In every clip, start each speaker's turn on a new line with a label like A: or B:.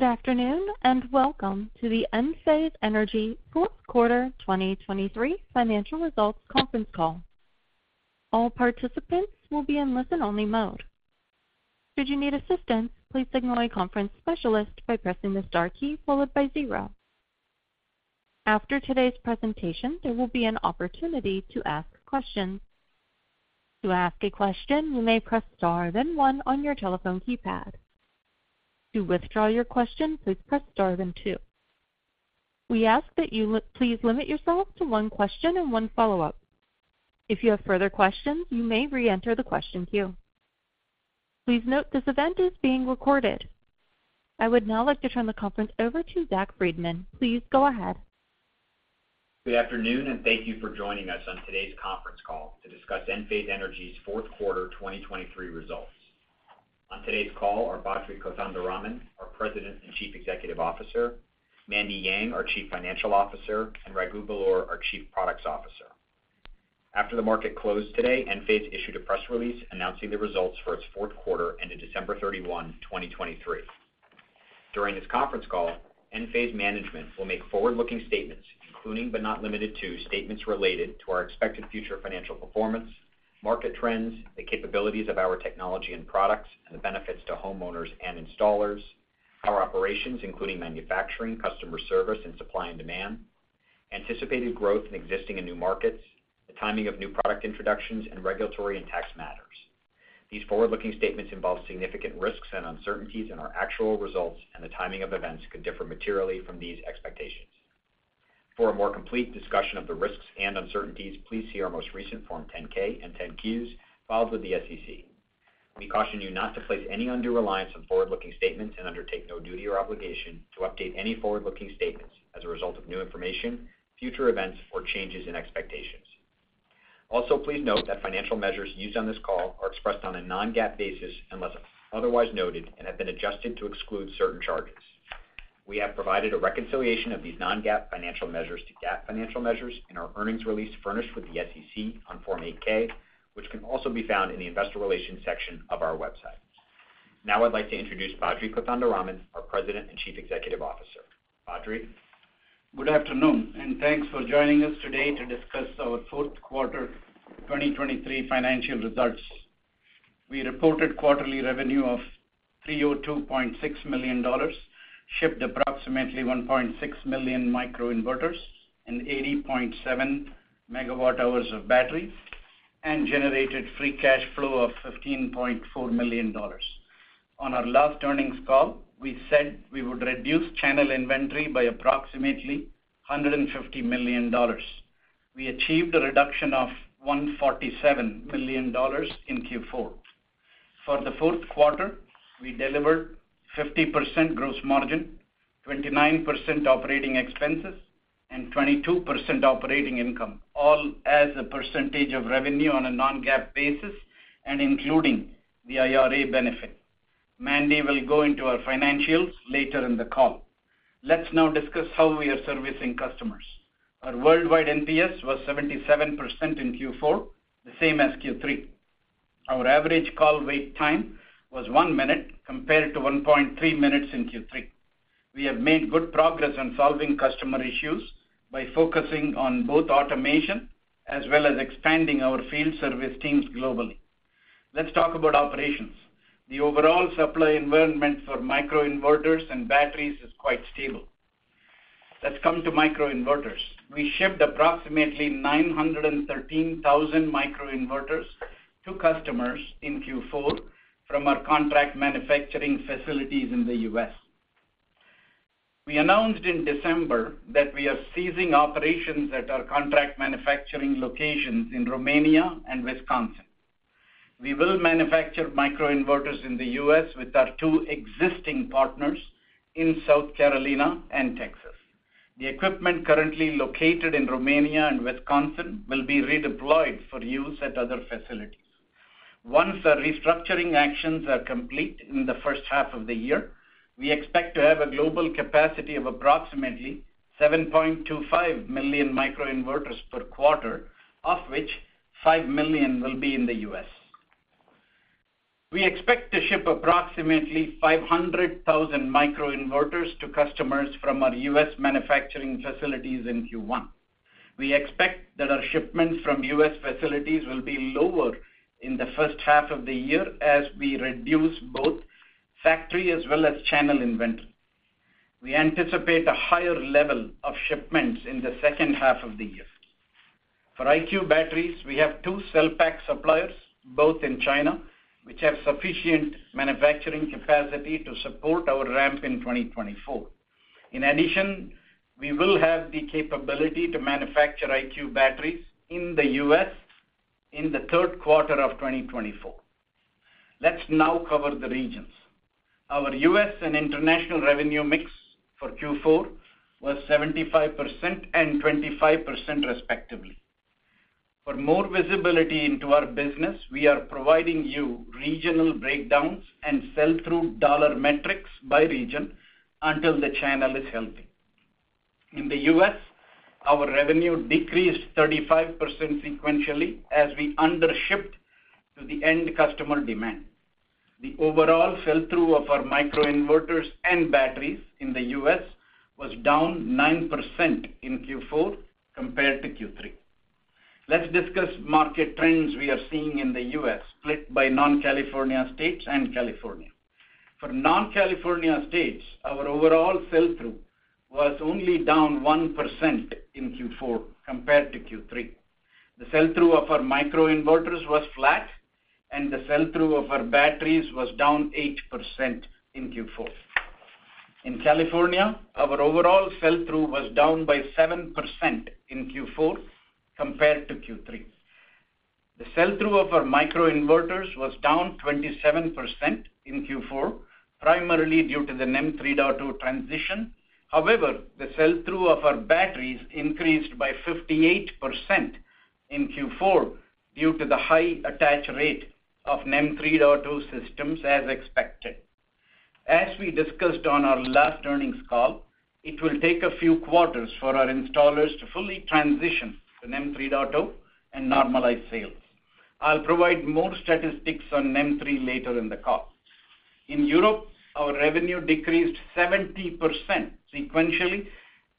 A: Good afternoon, and welcome to the Enphase Energy Fourth Quarter 2023 Financial Results Conference Call. All participants will be in listen-only mode. Should you need assistance, please signal a conference specialist by pressing the star key followed by 0. After today's presentation, there will be an opportunity to ask questions. To ask a question, you may press star, then 1 on your telephone keypad. To withdraw your question, please press star, then 2. We ask that you please limit yourself to one question and one follow-up. If you have further questions, you may reenter the question queue. Please note, this event is being recorded. I would now like to turn the conference over to Zack Freedman. Please go ahead.
B: Good afternoon, and thank you for joining us on today's conference call to discuss Enphase Energy's fourth quarter 2023 results. On today's call are Badri Kothandaraman, our President and Chief Executive Officer, Mandy Yang, our Chief Financial Officer, and Raghu Belur, our Chief Product Officer. After the market closed today, Enphase issued a press release announcing the results for its fourth quarter ended December 31, 2023. During this conference call, Enphase management will make forward-looking statements, including, but not limited to, statements related to our expected future financial performance, market trends, the capabilities of our technology and products, and the benefits to homeowners and installers, our operations, including manufacturing, customer service, and supply and demand, anticipated growth in existing and new markets, the timing of new product introductions, and regulatory and tax matters. These forward-looking statements involve significant risks and uncertainties, and our actual results and the timing of events could differ materially from these expectations. For a more complete discussion of the risks and uncertainties, please see our most recent Form 10-K and 10-Qs filed with the SEC. We caution you not to place any undue reliance on forward-looking statements and undertake no duty or obligation to update any forward-looking statements as a result of new information, future events or changes in expectations. Also, please note that financial measures used on this call are expressed on a non-GAAP basis, unless otherwise noted, and have been adjusted to exclude certain charges. We have provided a reconciliation of these non-GAAP financial measures to GAAP financial measures in our earnings release furnished with the SEC on Form 8-K, which can also be found in the Investor Relations section of our website. Now I'd like to introduce Badri Kothandaraman, our President and Chief Executive Officer. Badri?
C: Good afternoon, and thanks for joining us today to discuss our fourth quarter 2023 financial results. We reported quarterly revenue of $302.6 million, shipped approximately 1.6 million microinverters and 80.7 MWh of battery, and generated free cash flow of $15.4 million. On our last earnings call, we said we would reduce channel inventory by approximately $150 million. We achieved a reduction of $147 million in Q4. For the fourth quarter, we delivered 50% gross margin, 29% operating expenses, and 22% operating income, all as a percentage of revenue on a non-GAAP basis and including the IRA benefit. Mandy will go into our financials later in the call. Let's now discuss how we are servicing customers. Our worldwide NPS was 77% in Q4, the same as Q3. Our average call wait time was 1 minute, compared to 1.3 minutes in Q3. We have made good progress on solving customer issues by focusing on both automation as well as expanding our field service teams globally. Let's talk about operations. The overall supply environment for microinverters and batteries is quite stable. Let's come to microinverters. We shipped approximately 913,000 microinverters to customers in Q4 from our contract manufacturing facilities in the U.S. We announced in December that we are ceasing operations at our contract manufacturing locations in Romania and Wisconsin. We will manufacture microinverters in the U.S. with our 2 existing partners in South Carolina and Texas. The equipment currently located in Romania and Wisconsin will be redeployed for use at other facilities. Once the restructuring actions are complete in the first half of the year, we expect to have a global capacity of approximately 7.25 million microinverters per quarter, of which 5 million will be in the U.S. We expect to ship approximately 500,000 microinverters to customers from our U.S. manufacturing facilities in Q1. We expect that our shipments from U.S. facilities will be lower in the first half of the year as we reduce both factory as well as channel inventory. We anticipate a higher level of shipments in the second half of the year. For IQ Batteries, we have two cell pack suppliers, both in China, which have sufficient manufacturing capacity to support our ramp in 2024. In addition, we will have the capability to manufacture IQ Batteries in the U.S. in the third quarter of 2024. Let's now cover the regions. Our U.S. and international revenue mix for Q4 was 75% and 25%, respectively. For more visibility into our business, we are providing you regional breakdowns and sell-through dollar metrics by region until the channel is healthy. In the U.S., our revenue decreased 35% sequentially, as we undershipped to the end customer demand. The overall sell-through of our microinverters and batteries in the U.S. was down 9% in Q4 compared to Q3. Let's discuss market trends we are seeing in the U.S., split by non-California states and California. For non-California states, our overall sell-through was only down 1% in Q4 compared to Q3. The sell-through of our microinverters was flat, and the sell-through of our batteries was down 8% in Q4. In California, our overall sell-through was down by 7% in Q4 compared to Q3. The sell-through of our microinverters was down 27% in Q4, primarily due to the NEM 3.0 transition. However, the sell-through of our batteries increased by 58% in Q4, due to the high attach rate of NEM 3.0 systems as expected. As we discussed on our last earnings call, it will take a few quarters for our installers to fully transition to NEM 3.0 and normalize sales. I'll provide more statistics on NEM 3 later in the call. In Europe, our revenue decreased 70% sequentially,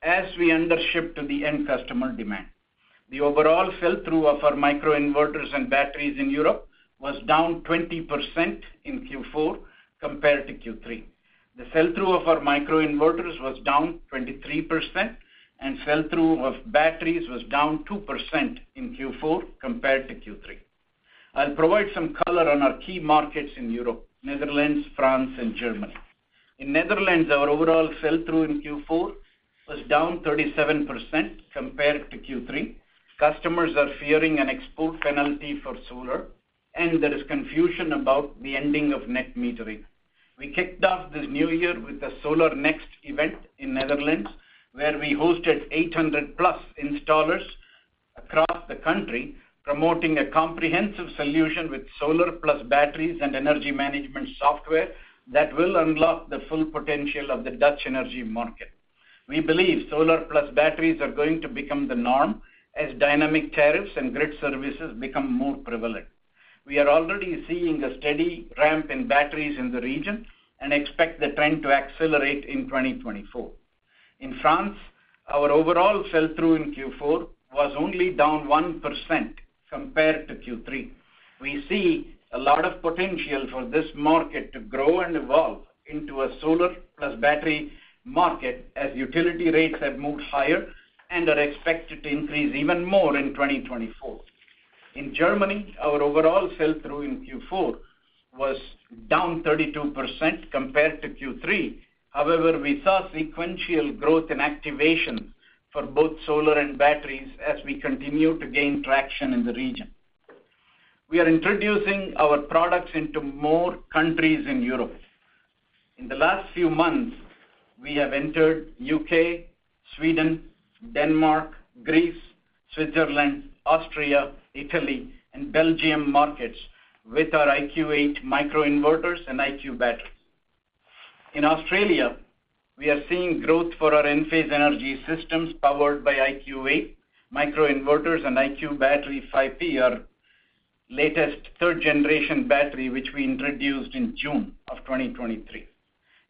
C: as we undershipped to the end customer demand. The overall sell-through of our microinverters and batteries in Europe was down 20% in Q4 compared to Q3. The sell-through of our microinverters was down 23%, and sell-through of batteries was down 2% in Q4 compared to Q3. I'll provide some color on our key markets in Europe, Netherlands, France, and Germany. In Netherlands, our overall sell-through in Q4 was down 37% compared to Q3. Customers are fearing an export penalty for solar, and there is confusion about the ending of net metering. We kicked off this new year with the solar next event in Netherlands, where we hosted 800+ installers across the country, promoting a comprehensive solution with solar plus batteries and energy management software, that will unlock the full potential of the Dutch energy market. We believe solar plus batteries are going to become the norm, as dynamic tariffs and grid services become more prevalent. We are already seeing a steady ramp in batteries in the region and expect the trend to accelerate in 2024. In France, our overall sell-through in Q4 was only down 1% compared to Q3. We see a lot of potential for this market to grow and evolve into a solar plus battery market, as utility rates have moved higher and are expected to increase even more in 2024. In Germany, our overall sell-through in Q4 was down 32% compared to Q3. However, we saw sequential growth in activation for both solar and batteries as we continue to gain traction in the region. We are introducing our products into more countries in Europe. In the last few months, we have entered UK, Sweden, Denmark, Greece, Switzerland, Austria, Italy, and Belgium markets with our IQ8 microinverters and IQ Batteries. In Australia, we are seeing growth for our Enphase Energy systems powered by IQ8 microinverters and IQ Battery 5P, our latest third-generation battery, which we introduced in June of 2023.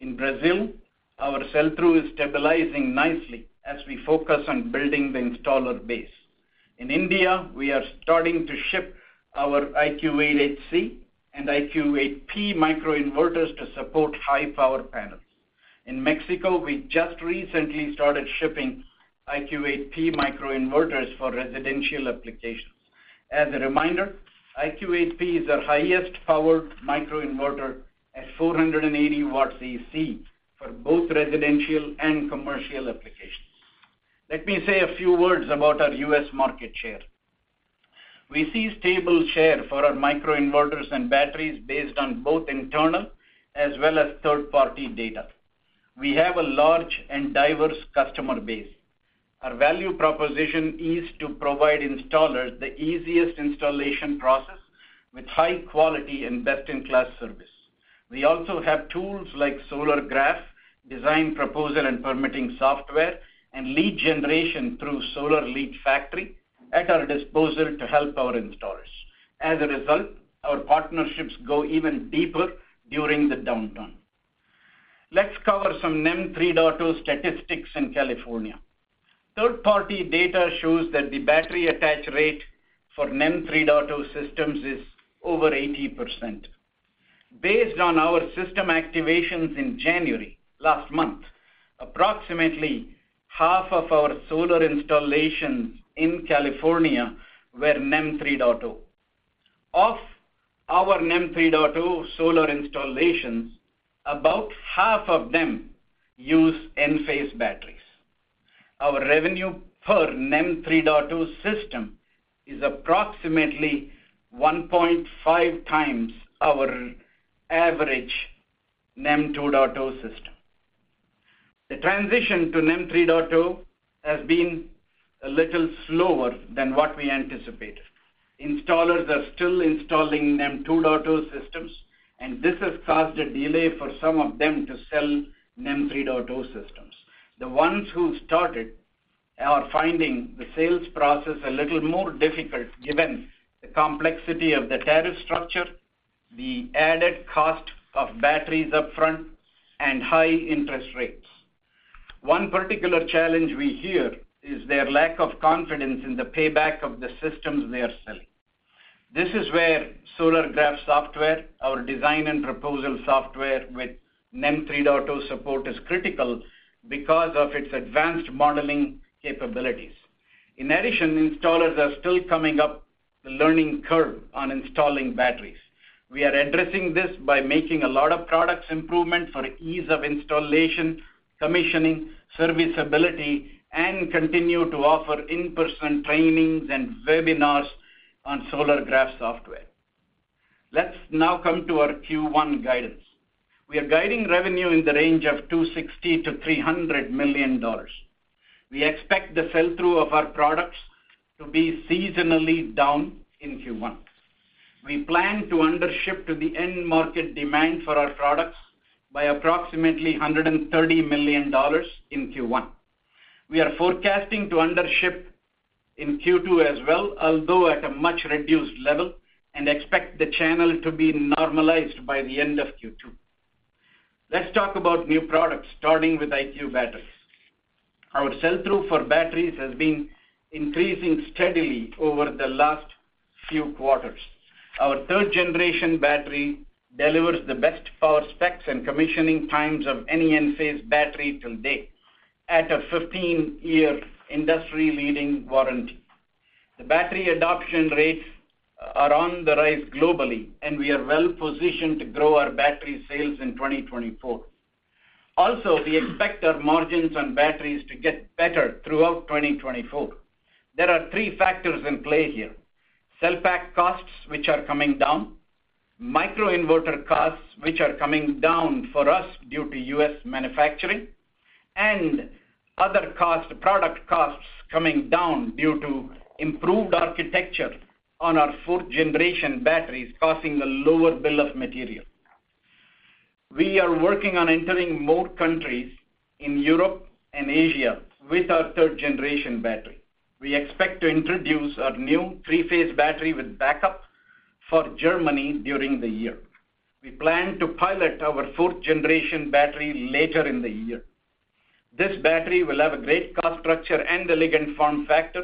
C: In Brazil, our sell-through is stabilizing nicely as we focus on building the installer base. In India, we are starting to ship our IQ8HC and IQ8P microinverters to support high-power panels. In Mexico, we just recently started shipping IQ8P microinverters for residential applications. As a reminder, IQ8P is our highest-powered microinverter at 480 watts AC, for both residential and commercial applications. Let me say a few words about our U.S. market share. We see stable share for our microinverters and batteries based on both internal as well as third-party data. We have a large and diverse customer base. Our value proposition is to provide installers the easiest installation process with high quality and best-in-class service. We also have tools like Solargraf, design, proposal, and permitting software, and lead generation through Solar Lead Factory at our disposal to help our installers. As a result, our partnerships go even deeper during the downturn. Let's cover some NEM 3.0 statistics in California. Third-party data shows that the battery attach rate for NEM 3.0 systems is over 80%. Based on our system activations in January, last month, approximately half of our solar installations in California were NEM 3.0. Of our NEM 3.0 solar installations, about half of them use Enphase batteries. Our revenue per NEM 3.0 system is approximately 1.5 times our average NEM 2.0 system. The transition to NEM 3.0 has been a little slower than what we anticipated. Installers are still installing NEM 2.0 systems, and this has caused a delay for some of them to sell NEM 3.0 systems. The ones who started are finding the sales process a little more difficult, given the complexity of the tariff structure, the added cost of batteries upfront, and high interest rates. One particular challenge we hear is their lack of confidence in the payback of the systems they are selling. This is where Solargraf software, our design and proposal software with NEM 3.0 support, is critical because of its advanced modeling capabilities. In addition, installers are still coming up the learning curve on installing batteries. We are addressing this by making a lot of products improvement for ease of installation, commissioning, serviceability, and continue to offer in-person trainings and webinars on Solargraf software. Let's now come to our Q1 guidance. We are guiding revenue in the range of $260 million-$300 million. We expect the sell-through of our products to be seasonally down in Q1. We plan to undership to the end market demand for our products by approximately $130 million in Q1. We are forecasting to undership in Q2 as well, although at a much reduced level, and expect the channel to be normalized by the end of Q2. Let's talk about new products, starting with IQ Batteries. Our sell-through for batteries has been increasing steadily over the last few quarters. Our third-generation battery delivers the best power specs and commissioning times of any Enphase battery to date, at a 15-year industry-leading warranty. The battery adoption rates are on the rise globally, and we are well positioned to grow our battery sales in 2024. Also, we expect our margins on batteries to get better throughout 2024. There are three factors in play here: cell pack costs, which are coming down. Microinverter costs, which are coming down for us due to U.S. manufacturing. And other costs, product costs coming down due to improved architecture on our fourth-generation batteries, causing a lower bill of material. We are working on entering more countries in Europe and Asia with our third-generation battery. We expect to introduce our new three-phase battery with backup for Germany during the year. We plan to pilot our fourth-generation battery later in the year. This battery will have a great cost structure and elegant form factor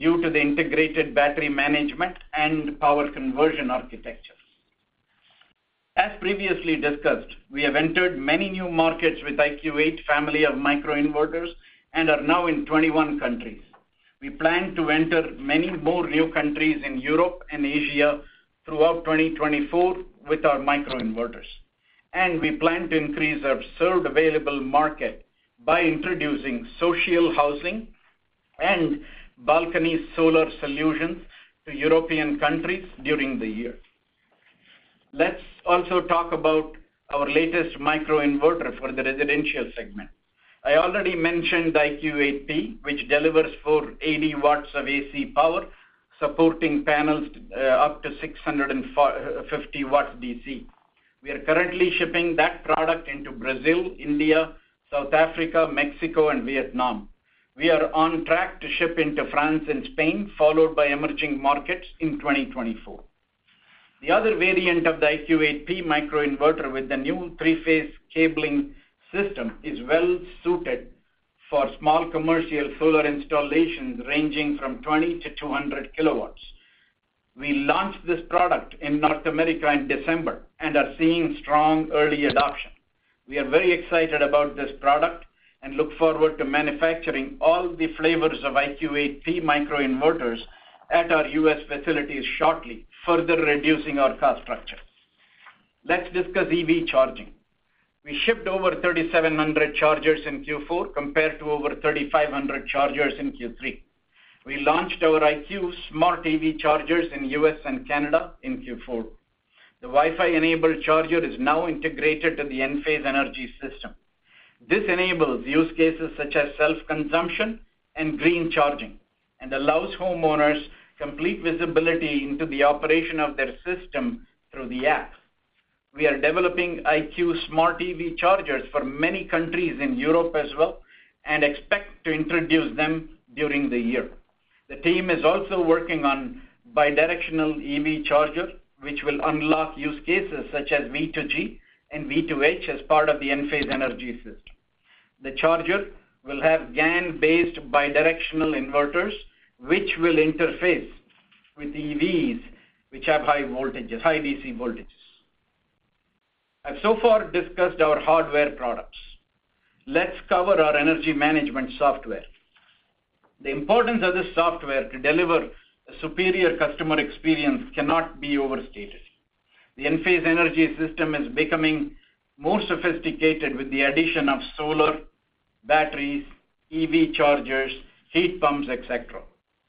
C: due to the integrated battery management and power conversion architectures. As previously discussed, we have entered many new markets with IQ8 family of microinverters and are now in 21 countries. We plan to enter many more new countries in Europe and Asia throughout 2024 with our microinverters. We plan to increase our served available market by introducing social housing and balcony solar solutions to European countries during the year. Let's also talk about our latest microinverter for the residential segment. I already mentioned the IQ8P, which delivers 480 watts of AC power, supporting panels up to 650 watts DC. We are currently shipping that product into Brazil, India, South Africa, Mexico, and Vietnam. We are on track to ship into France and Spain, followed by emerging markets in 2024. The other variant of the IQ8P microinverter with the new three-phase cabling system is well-suited for small commercial solar installations, ranging from 20-200 kW. We launched this product in North America in December and are seeing strong early adoption. We are very excited about this product and look forward to manufacturing all the flavors of IQ8P microinverters at our U.S. facilities shortly, further reducing our cost structure. Let's discuss EV charging. We shipped over 3,700 chargers in Q4, compared to over 3,500 chargers in Q3. We launched our IQ Smart EV Chargers in U.S. and Canada in Q4. The Wi-Fi-enabled charger is now integrated to the Enphase Energy System. This enables use cases such as self-consumption and green charging, and allows homeowners complete visibility into the operation of their system through the app. We are developing IQ Smart EV chargers for many countries in Europe as well and expect to introduce them during the year. The team is also working on bidirectional EV charger, which will unlock use cases such as V2G and V2H as part of the Enphase Energy System. The charger will have GaN-based bidirectional inverters, which will interface with EVs, which have high voltages, high DC voltages. I've so far discussed our hardware products. Let's cover our energy management software. The importance of this software to deliver a superior customer experience cannot be overstated. The Enphase Energy System is becoming more sophisticated with the addition of solar, batteries, EV chargers, heat pumps, et cetera.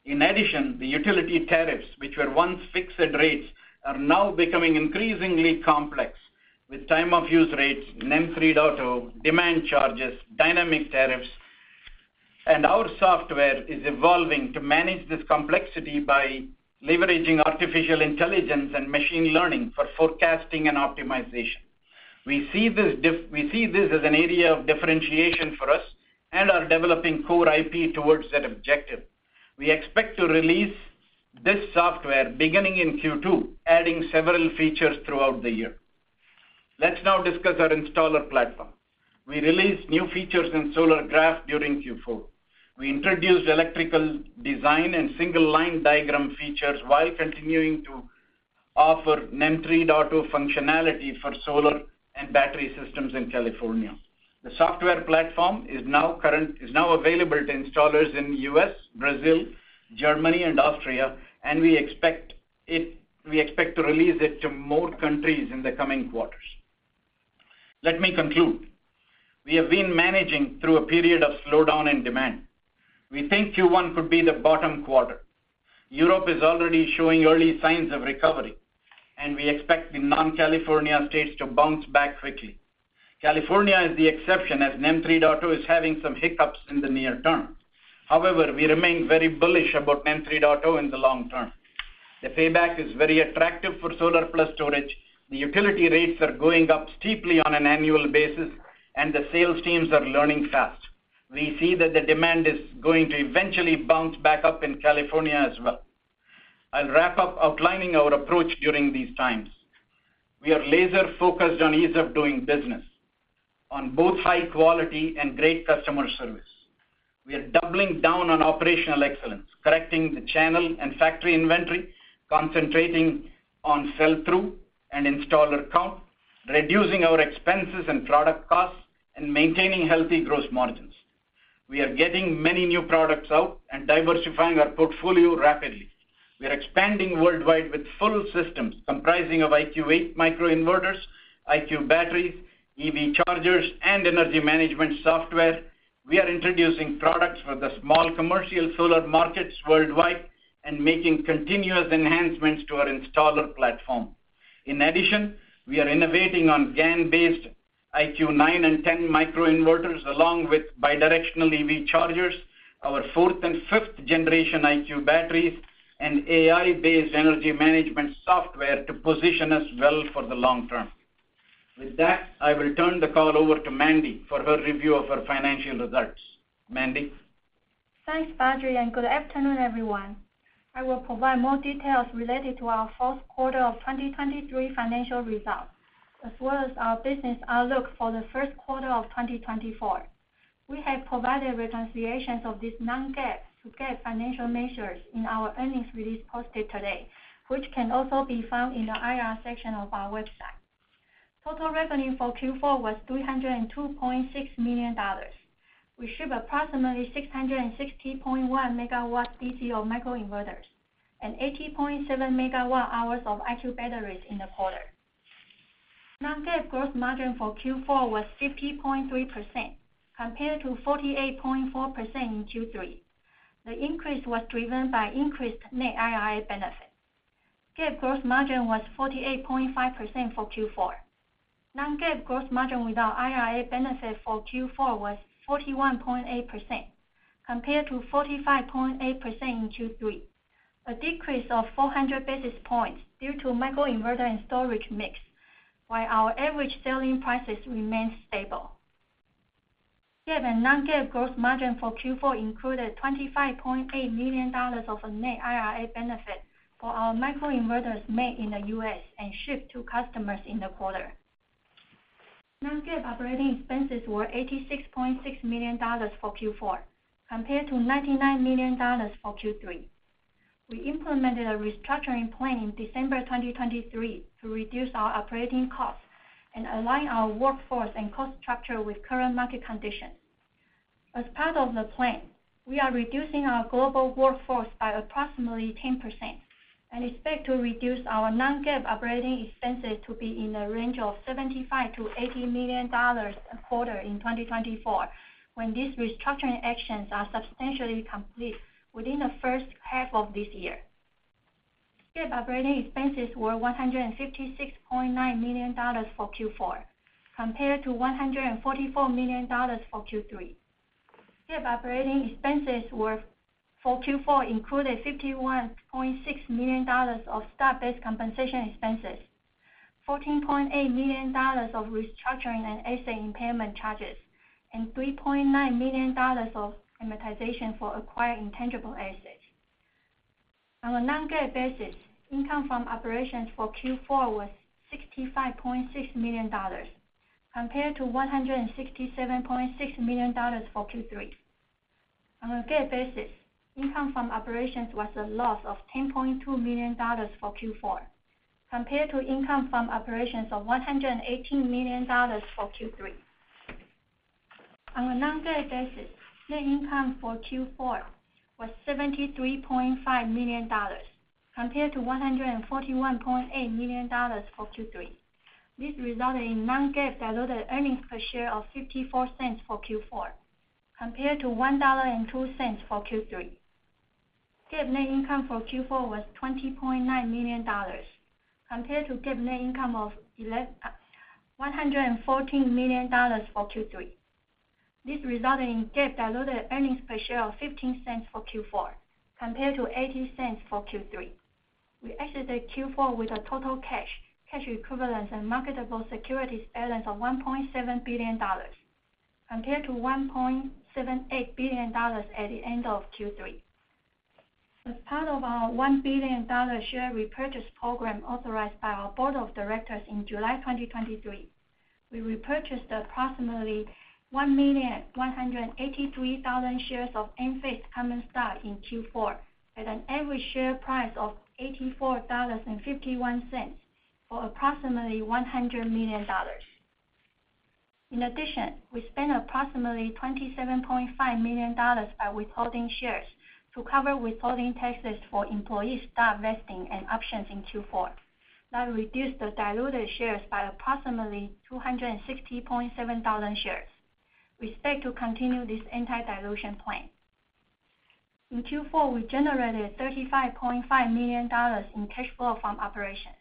C: In addition, the utility tariffs, which were once fixed rates, are now becoming increasingly complex, with time of use rates, NEM 3.0, demand charges, dynamic tariffs. Our software is evolving to manage this complexity by leveraging artificial intelligence and machine learning for forecasting and optimization. We see this as an area of differentiation for us and are developing core IP towards that objective. We expect to release this software beginning in Q2, adding several features throughout the year. Let's now discuss our installer platform. We released new features in Solargraf during Q4. We introduced electrical design and single-line diagram features, while continuing to offer NEM 3.0 functionality for solar and battery systems in California. The software platform is now available to installers in the U.S., Brazil, Germany, and Austria, and we expect to release it to more countries in the coming quarters. Let me conclude. We have been managing through a period of slowdown in demand. We think Q1 could be the bottom quarter. Europe is already showing early signs of recovery, and we expect the non-California states to bounce back quickly. California is the exception, as NEM 3.0 is having some hiccups in the near term. However, we remain very bullish about NEM 3.0 in the long term. The payback is very attractive for solar plus storage, the utility rates are going up steeply on an annual basis, and the sales teams are learning fast. We see that the demand is going to eventually bounce back up in California as well. I'll wrap up outlining our approach during these times. We are laser-focused on ease of doing business, on both high quality and great customer service. We are doubling down on operational excellence, correcting the channel and factory inventory, concentrating on sell-through and installer count, reducing our expenses and product costs, and maintaining healthy gross margins. We are getting many new products out and diversifying our portfolio rapidly. We are expanding worldwide with full systems comprising of IQ8 microinverters, IQ Batteries, EV chargers, and energy management software. We are introducing products for the small commercial solar markets worldwide and making continuous enhancements to our installer platform. In addition, we are innovating on GaN-based IQ9 and IQ10 microinverters, along with bidirectional EV chargers, our fourth and fifth generation IQ batteries, and AI-based energy management software to position us well for the long term. With that, I will turn the call over to Mandy for her review of our financial results. Mandy?
D: Thanks, Badri, and good afternoon, everyone. I will provide more details related to our fourth quarter of 2023 financial results, as well as our business outlook for the first quarter of 2024. We have provided reconciliations of these non-GAAP to GAAP financial measures in our earnings release posted today, which can also be found in the IR section of our website. Total revenue for Q4 was $302.6 million. We shipped approximately 660.1 megawatts DC of microinverters and 80.7 megawatt-hours of IQ batteries in the quarter. Non-GAAP gross margin for Q4 was 50.3%, compared to 48.4% in Q3. The increase was driven by increased net IRA benefits. GAAP gross margin was 48.5% for Q4. Non-GAAP gross margin without IRA benefit for Q4 was 41.8%, compared to 45.8% in Q3, a decrease of 400 basis points due to microinverter and storage mix, while our average selling prices remained stable. GAAP and non-GAAP gross margin for Q4 included $25.8 million of net IRA benefit for our microinverters made in the U.S. and shipped to customers in the quarter. Non-GAAP operating expenses were $86.6 million for Q4, compared to $99 million for Q3. We implemented a restructuring plan in December 2023 to reduce our operating costs and align our workforce and cost structure with current market conditions. As part of the plan, we are reducing our global workforce by approximately 10% and expect to reduce our non-GAAP operating expenses to be in the range of $75 million-$80 million a quarter in 2024, when these restructuring actions are substantially complete within the first half of this year. GAAP operating expenses were $156.9 million for Q4, compared to $144 million for Q3. GAAP operating expenses were, for Q4, included $51.6 million of stock-based compensation expenses, $14.8 million of restructuring and asset impairment charges, and $3.9 million of amortization for acquired intangible assets. On a non-GAAP basis, income from operations for Q4 was $65.6 million, compared to $167.6 million for Q3. On a GAAP basis, income from operations was a loss of $10.2 million for Q4, compared to income from operations of $118 million for Q3. On a non-GAAP basis, net income for Q4 was $73.5 million, compared to $141.8 million for Q3. This resulted in non-GAAP diluted earnings per share of $0.54 for Q4, compared to $1.02 for Q3. GAAP net income for Q4 was $20.9 million, compared to GAAP net income of $114 million for Q3. This resulted in GAAP diluted earnings per share of $0.15 for Q4, compared to $0.80 for Q3. We exited Q4 with a total cash, cash equivalents, and marketable securities balance of $1.7 billion, compared to $1.78 billion at the end of Q3. As part of our $1 billion share repurchase program authorized by our Board of Directors in July 2023, we repurchased approximately 1,183,000 shares of Enphase common stock in Q4, at an average share price of $84.51, for approximately $100 million. In addition, we spent approximately $27.5 million by withholding shares to cover withholding taxes for employee stock vesting and options in Q4. That reduced the diluted shares by approximately 260,700 shares. We expect to continue this anti-dilution plan. In Q4, we generated $35.5 million in cash flow from operations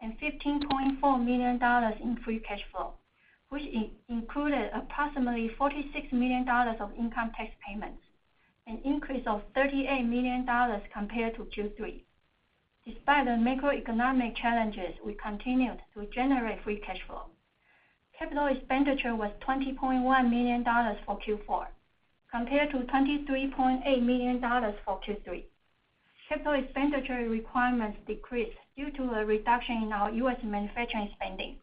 D: and $15.4 million in free cash flow, which included approximately $46 million of income tax payments, an increase of $38 million compared to Q3. Despite the macroeconomic challenges, we continued to generate free cash flow. Capital expenditure was $20.1 million for Q4, compared to $23.8 million for Q3. Capital expenditure requirements decreased due to a reduction in our U.S. manufacturing spending.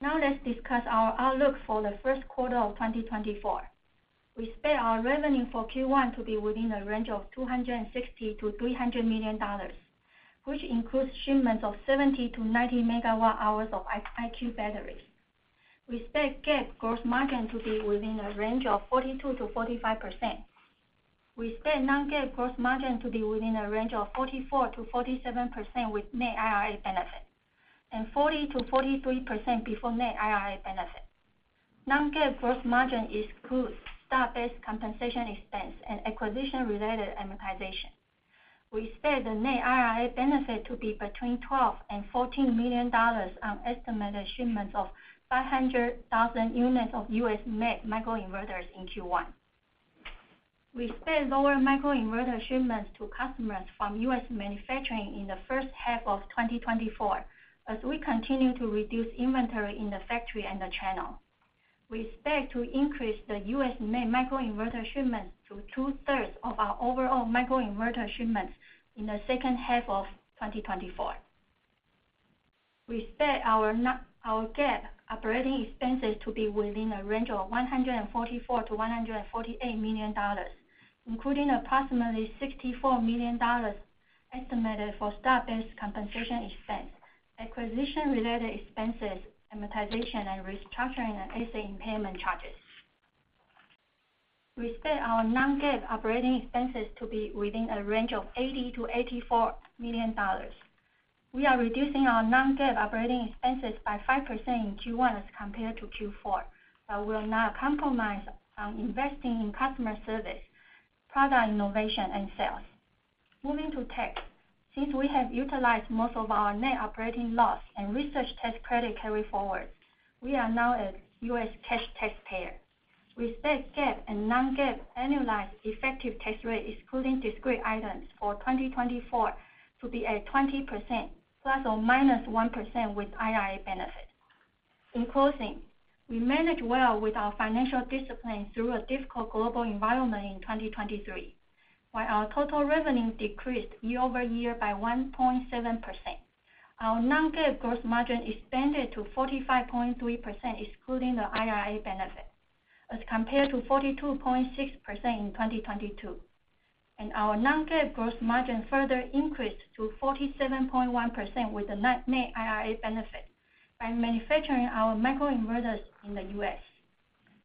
D: Now, let's discuss our outlook for the first quarter of 2024. We expect our revenue for Q1 to be within a range of $260 million-$300 million, which includes shipments of 70-90 megawatt hours of IQ batteries. We expect GAAP gross margin to be within a range of 42%-45%. We expect non-GAAP gross margin to be within a range of 44%-47% with net IRA benefit and 40%-43% before net IRA benefit. Non-GAAP gross margin includes stock-based compensation expense and acquisition-related amortization. We expect the net IRA benefit to be between $12 million and $14 million on estimated shipments of 500,000 units of U.S.-made microinverters in Q1. We expect lower microinverter shipments to customers from U.S. manufacturing in the first half of 2024, as we continue to reduce inventory in the factory and the channel. We expect to increase the U.S.-made microinverter shipments to two-thirds of our overall microinverter shipments in the second half of 2024. We expect our GAAP operating expenses to be within a range of $144 million-$148 million, including approximately $64 million estimated for stock-based compensation expense, acquisition-related expenses, amortization, and restructuring, and asset impairment charges. We expect our non-GAAP operating expenses to be within a range of $80 million-$84 million. We are reducing our non-GAAP operating expenses by 5% in Q1 as compared to Q4, but we will not compromise on investing in customer service, product innovation, and sales. Moving to tax. Since we have utilized most of our net operating loss and research tax credit carryforward, we are now a U.S. cash taxpayer. We expect GAAP and non-GAAP annualized effective tax rate, excluding discrete items for 2024, to be at 20%, ±1% with IRA benefit. In closing, we managed well with our financial discipline through a difficult global environment in 2023. While our total revenue decreased year-over-year by 1.7%, our non-GAAP gross margin expanded to 45.3%, excluding the IRA benefit, as compared to 42.6% in 2022. Our non-GAAP gross margin further increased to 47.1% with the net-net IRA benefit by manufacturing our microinverters in the U.S.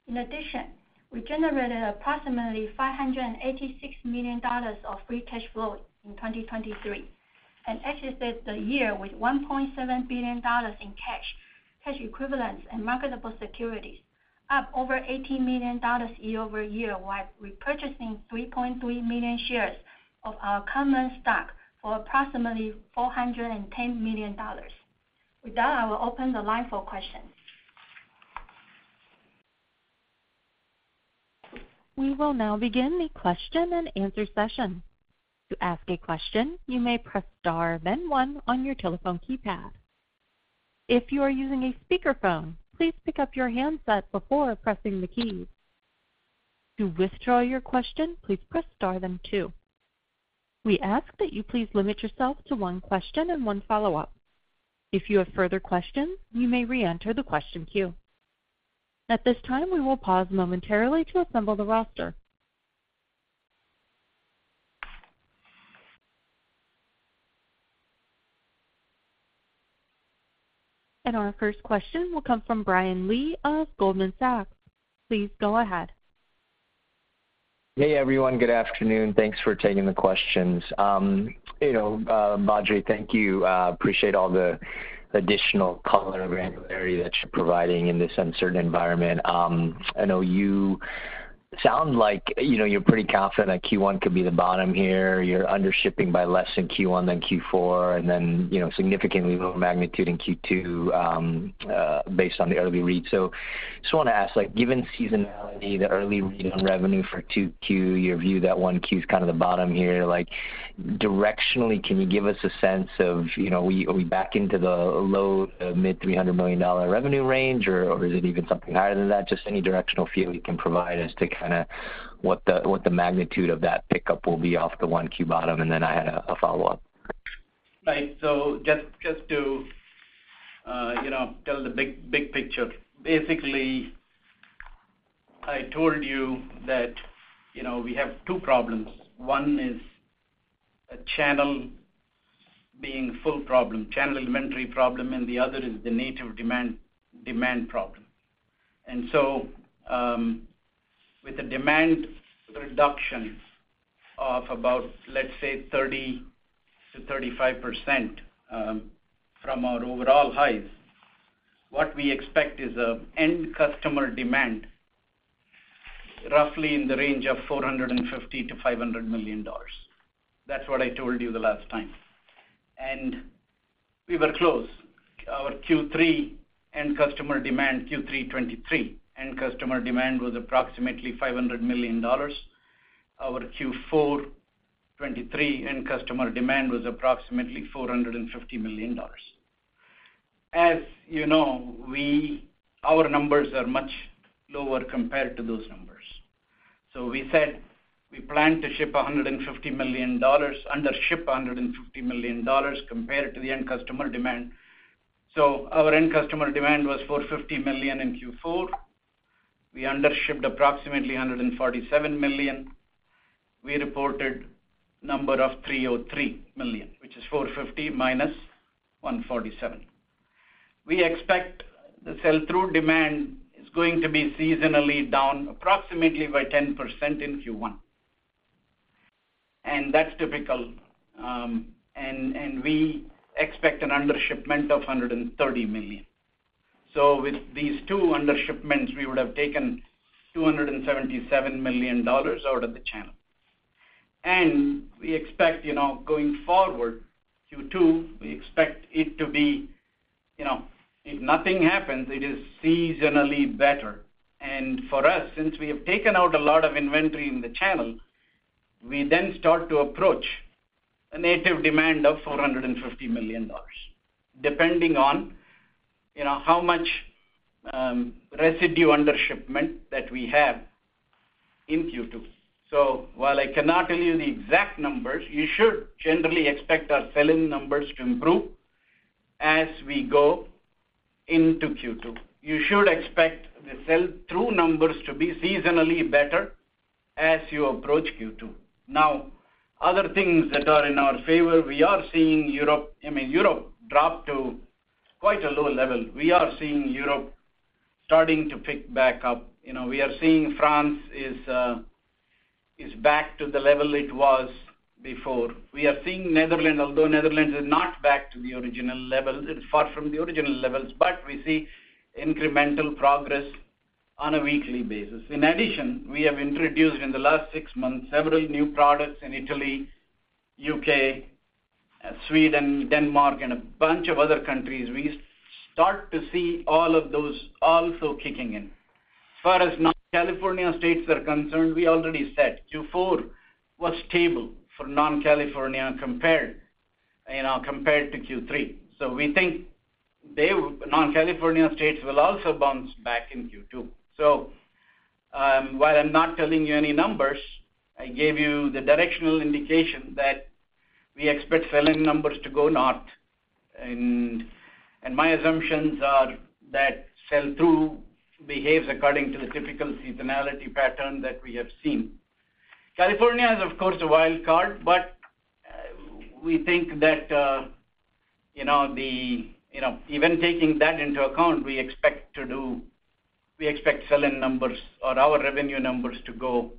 D: In addition, we generated approximately $586 million of free cash flow in 2023 and exited the year with $1.7 billion in cash, cash equivalents, and marketable securities, up over $80 million year-over-year, while repurchasing 3.3 million shares of our common stock for approximately $410 million. With that, I will open the line for questions.
A: We will now begin the question and answer session. To ask a question, you may press star, then one on your telephone keypad. If you are using a speakerphone, please pick up your handset before pressing the key. To withdraw your question, please press star then two. We ask that you please limit yourself to one question and one follow-up. If you have further questions, you may reenter the question queue. At this time, we will pause momentarily to assemble the roster. Our first question will come from Brian Lee of Goldman Sachs. Please go ahead.
E: Hey, everyone. Good afternoon. Thanks for taking the questions. You know, Mandy, thank you. Appreciate all the additional color and granularity that you're providing in this uncertain environment. I know you sound like, you know, you're pretty confident that Q1 could be the bottom here. You're undershipping by less in Q1 than Q4, and then, you know, significantly lower magnitude in Q2, based on the early read. So just wanna ask, like, given seasonality, the early read on revenue for 2Q, your view that 1Q is kind of the bottom here, like, directionally, can you give us a sense of, you know, are we back into the low- to mid-$300 million revenue range, or, or is it even something higher than that? Just any directional view you can provide as to kinda what the magnitude of that pickup will be off the 1Q bottom. And then I had a follow-up.
C: Right. So just, just to, you know, tell the big, big picture. Basically, I told you that, you know, we have two problems. One is a channel being full problem, channel inventory problem, and the other is the native demand, demand problem. And so, with the demand reduction of about, let's say, 30%-35%, from our overall highs, what we expect is an end customer demand roughly in the range of $450 million-$500 million. That's what I told you the last time. And we were close. Our Q3 end customer demand, Q3 2023, end customer demand was approximately $500 million. Our Q4 2023 end customer demand was approximately $450 million. As you know, we, our numbers are much lower compared to those numbers. So we said we plan to ship $150 million, undership $150 million compared to the end customer demand. So our end customer demand was $450 million in Q4. We undershipped approximately $147 million. We reported number of $303 million, which is $450 million minus $147 million. We expect the sell-through demand is going to be seasonally down approximately by 10% in Q1, and that's typical. And we expect an undershipment of $130 million. So with these two undershipments, we would have taken $277 million out of the channel. And we expect, you know, going forward, Q2, we expect it to be, you know, if nothing happens, it is seasonally better. For us, since we have taken out a lot of inventory in the channel, we then start to approach a native demand of $450 million, depending on, you know, how much residue undershipment that we have in Q2. So while I cannot tell you the exact numbers, you should generally expect our sell-in numbers to improve as we go into Q2. You should expect the sell-through numbers to be seasonally better as you approach Q2. Now, other things that are in our favor, we are seeing Europe. I mean, Europe dropped to quite a low level. We are seeing Europe starting to pick back up. You know, we are seeing France is, is back to the level it was before. We are seeing Netherlands, although Netherlands is not back to the original level, it's far from the original levels, but we see incremental progress on a weekly basis. In addition, we have introduced in the last six months, several new products in Italy, UK, Sweden, Denmark, and a bunch of other countries. We start to see all of those also kicking in. As far as non-California states are concerned, we already said Q4 was stable for non-California compared, you know, compared to Q3. So we think they, non-California states, will also bounce back in Q2. So, while I'm not telling you any numbers, I gave you the directional indication that we expect sell-in numbers to go north. And, and my assumptions are that sell-through behaves according to the typical seasonality pattern that we have seen. California is, of course, a wild card, but we think that, you know, even taking that into account, we expect to do. We expect sell-in numbers or our revenue numbers to go,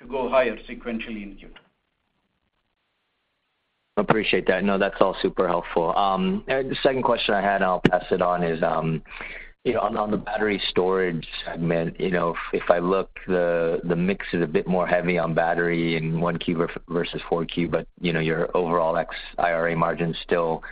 C: to go higher sequentially in Q2.
E: Appreciate that. No, that's all super helpful. The second question I had, and I'll pass it on, is, you know, on the battery storage segment, you know, if I look, the mix is a bit more heavy on battery in 1Q versus 4Q, but, you know, your overall ex IRA margin's still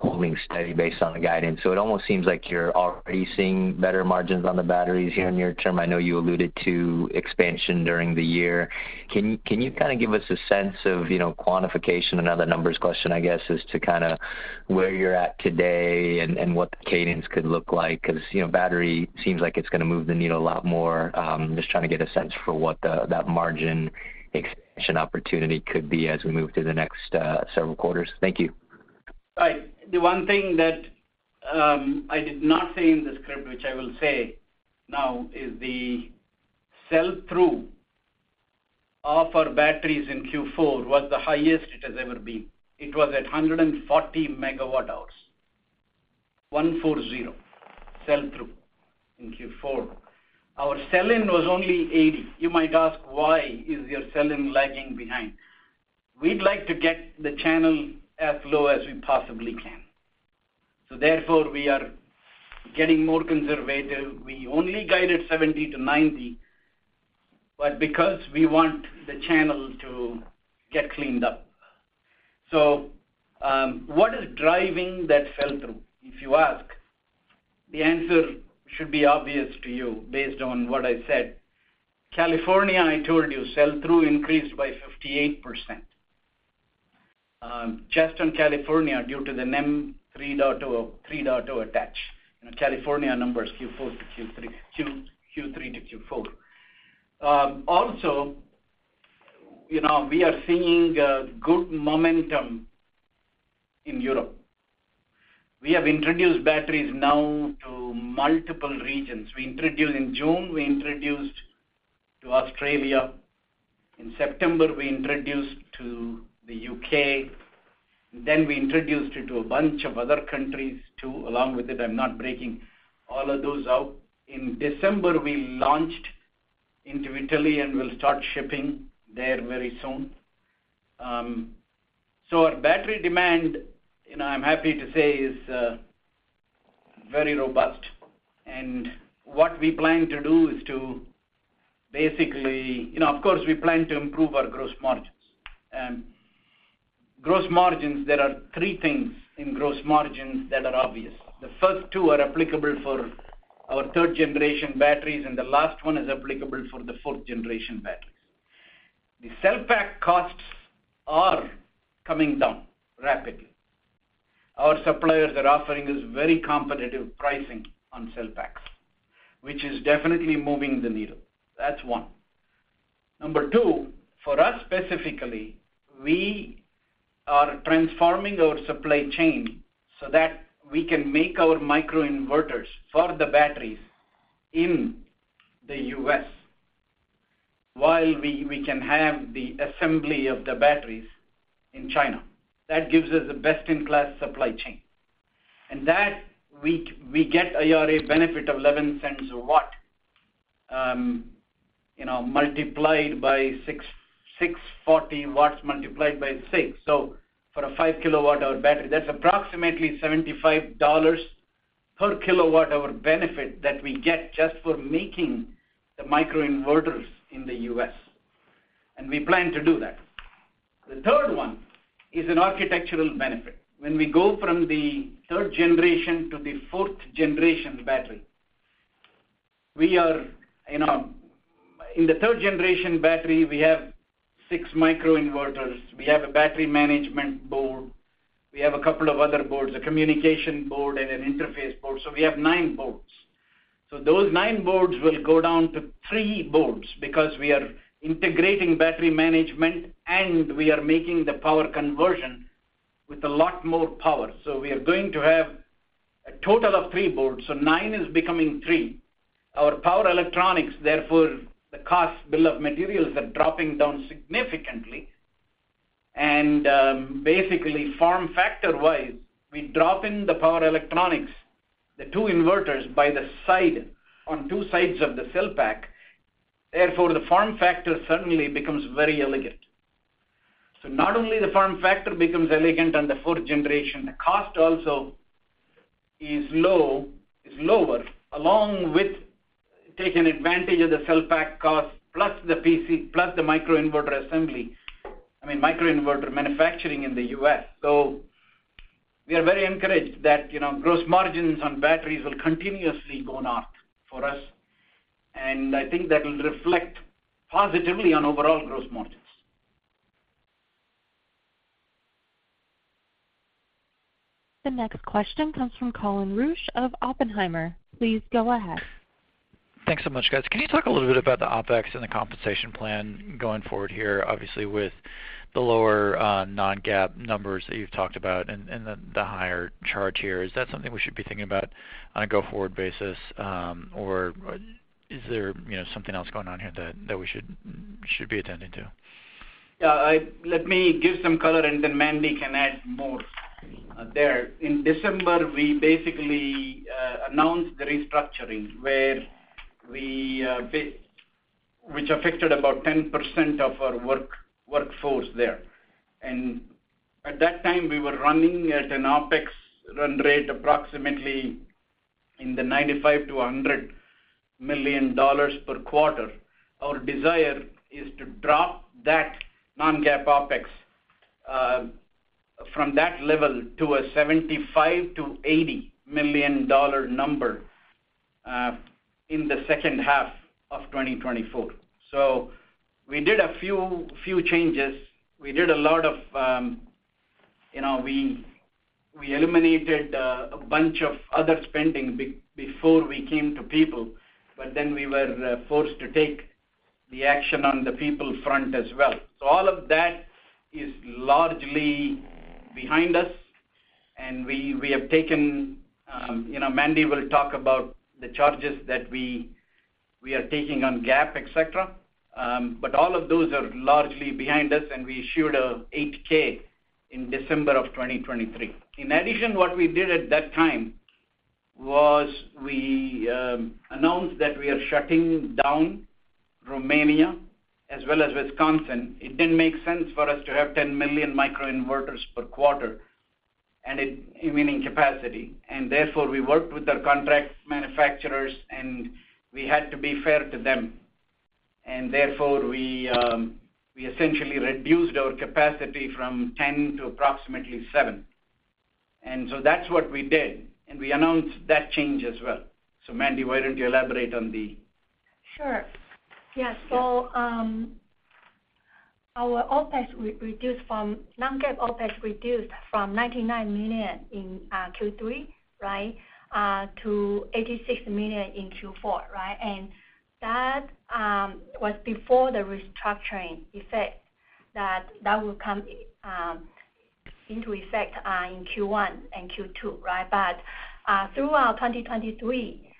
E: holding steady based on the guidance. So it almost seems like you're already seeing better margins on the batteries here in near term. I know you alluded to expansion during the year. Can you kind of give us a sense of, you know, quantification? Another numbers question, I guess, as to kind of where you're at today and what the cadence could look like, 'cause, you know, battery seems like it's gonna move the needle a lot more. Just trying to get a sense for what the, that margin expansion opportunity could be as we move through the next, several quarters. Thank you.
C: Right. The one thing that, I did not say in the script, which I will say now, is the sell-through of our batteries in Q4 was the highest it has ever been. It was at 140 megawatt hours. 140 sell-through in Q4. Our sell-in was only 80. You might ask, "Why is your sell-in lagging behind?" We'd like to get the channel as low as we possibly can. So therefore, we are getting more conservative. We only guided 70-90, but because we want the channel to get cleaned up. So, what is driving that sell-through? If you ask, the answer should be obvious to you based on what I said. California, I told you, sell-through increased by 58%, just on California, due to the NEM 3.0, 3.0 attach. California numbers, Q3 to Q4. Also, you know, we are seeing good momentum in Europe. We have introduced batteries now to multiple regions. We introduced, in June, we introduced to Australia. In September, we introduced to the U.K. Then we introduced it to a bunch of other countries, too, along with it. I'm not breaking all of those out. In December, we launched into Italy, and we'll start shipping there very soon. So our battery demand, you know, I'm happy to say, is very robust. And what we plan to do is to basically, you know, of course, we plan to improve our gross margins. And gross margins, there are three things in gross margins that are obvious. The first two are applicable for our third-generation batteries, and the last one is applicable for the fourth-generation batteries. The cell pack costs are coming down rapidly. Our suppliers are offering us very competitive pricing on cell packs, which is definitely moving the needle. That's one. Number two, for us, specifically, we are transforming our supply chain so that we can make our microinverters for the batteries in the U.S., while we can have the assembly of the batteries in China. That gives us the best-in-class supply chain. And that, we get a IRA benefit of 11 cents a watt, you know, multiplied by 6—640 watts multiplied by six. So for a 5 kWh battery, that's approximately $75 per kWh benefit that we get just for making the microinverters in the U.S., and we plan to do that. The third one is an architectural benefit. When we go from the third-generation battery to the fourth-generation battery, we are, you know, in the third-generation battery, we have six microinverters. We have a battery management board. We have a couple of other boards, a communication board and an interface board, so we have nine boards. So those nine boards will go down to three boards because we are integrating battery management, and we are making the power conversion with a lot more power. So we are going to have a total of three boards, so nine is becoming three. Our power electronics, therefore, the cost bill of materials are dropping down significantly. And, basically, form factor-wise, we drop in the power electronics, the two inverters by the side, on two sides of the cell pack. Therefore, the form factor suddenly becomes very elegant. So not only the form factor becomes elegant on the fourth generation, the cost also is low, is lower, along with taking advantage of the cell pack cost, plus the PC, plus the microinverter assembly, I mean, microinverter manufacturing in the U.S. So we are very encouraged that, you know, gross margins on batteries will continuously go north for us, and I think that will reflect positively on overall gross margins.
A: The next question comes from Colin Rusch of Oppenheimer. Please go ahead.
F: Thanks so much, guys. Can you talk a little bit about the OpEx and the compensation plan going forward here? Obviously, with the lower, non-GAAP numbers that you've talked about and, and the, the higher charge here, is that something we should be thinking about on a go-forward basis, or is there, you know, something else going on here that, that we should, should be attending to?
C: Yeah, I let me give some color, and then Mandy can add more there. In December, we basically announced the restructuring, where we which affected about 10% of our workforce there. And at that time, we were running at an OpEx run rate, approximately in the $95 million-$100 million per quarter. Our desire is to drop that non-GAAP OpEx from that level to a $75 million-$80 million number in the second half of 2024. So we did a few changes. We did a lot of, you know, we eliminated a bunch of other spending before we came to people, but then we were forced to take the action on the people front as well. So all of that is largely behind us, and we have taken. You know, Mandy will talk about the charges that we are taking on GAAP, et cetera. But all of those are largely behind us, and we issued a 8-K in December of 2023. In addition, what we did at that time was, we announced that we are shutting down Romania as well as Wisconsin. It didn't make sense for us to have 10 million microinverters per quarter, and I mean in capacity. And therefore, we worked with our contract manufacturers, and we had to be fair to them. And therefore, we essentially reduced our capacity from 10 to approximately seven. And so that's what we did, and we announced that change as well. So, Mandy, why don't you elaborate on the.
D: Sure. Yes. So, our non-GAAP OpEx reduced from $99 million in Q3, right, to $86 million in Q4, right? And that was before the restructuring effect that will come into effect in Q1 and Q2, right? But throughout 2023,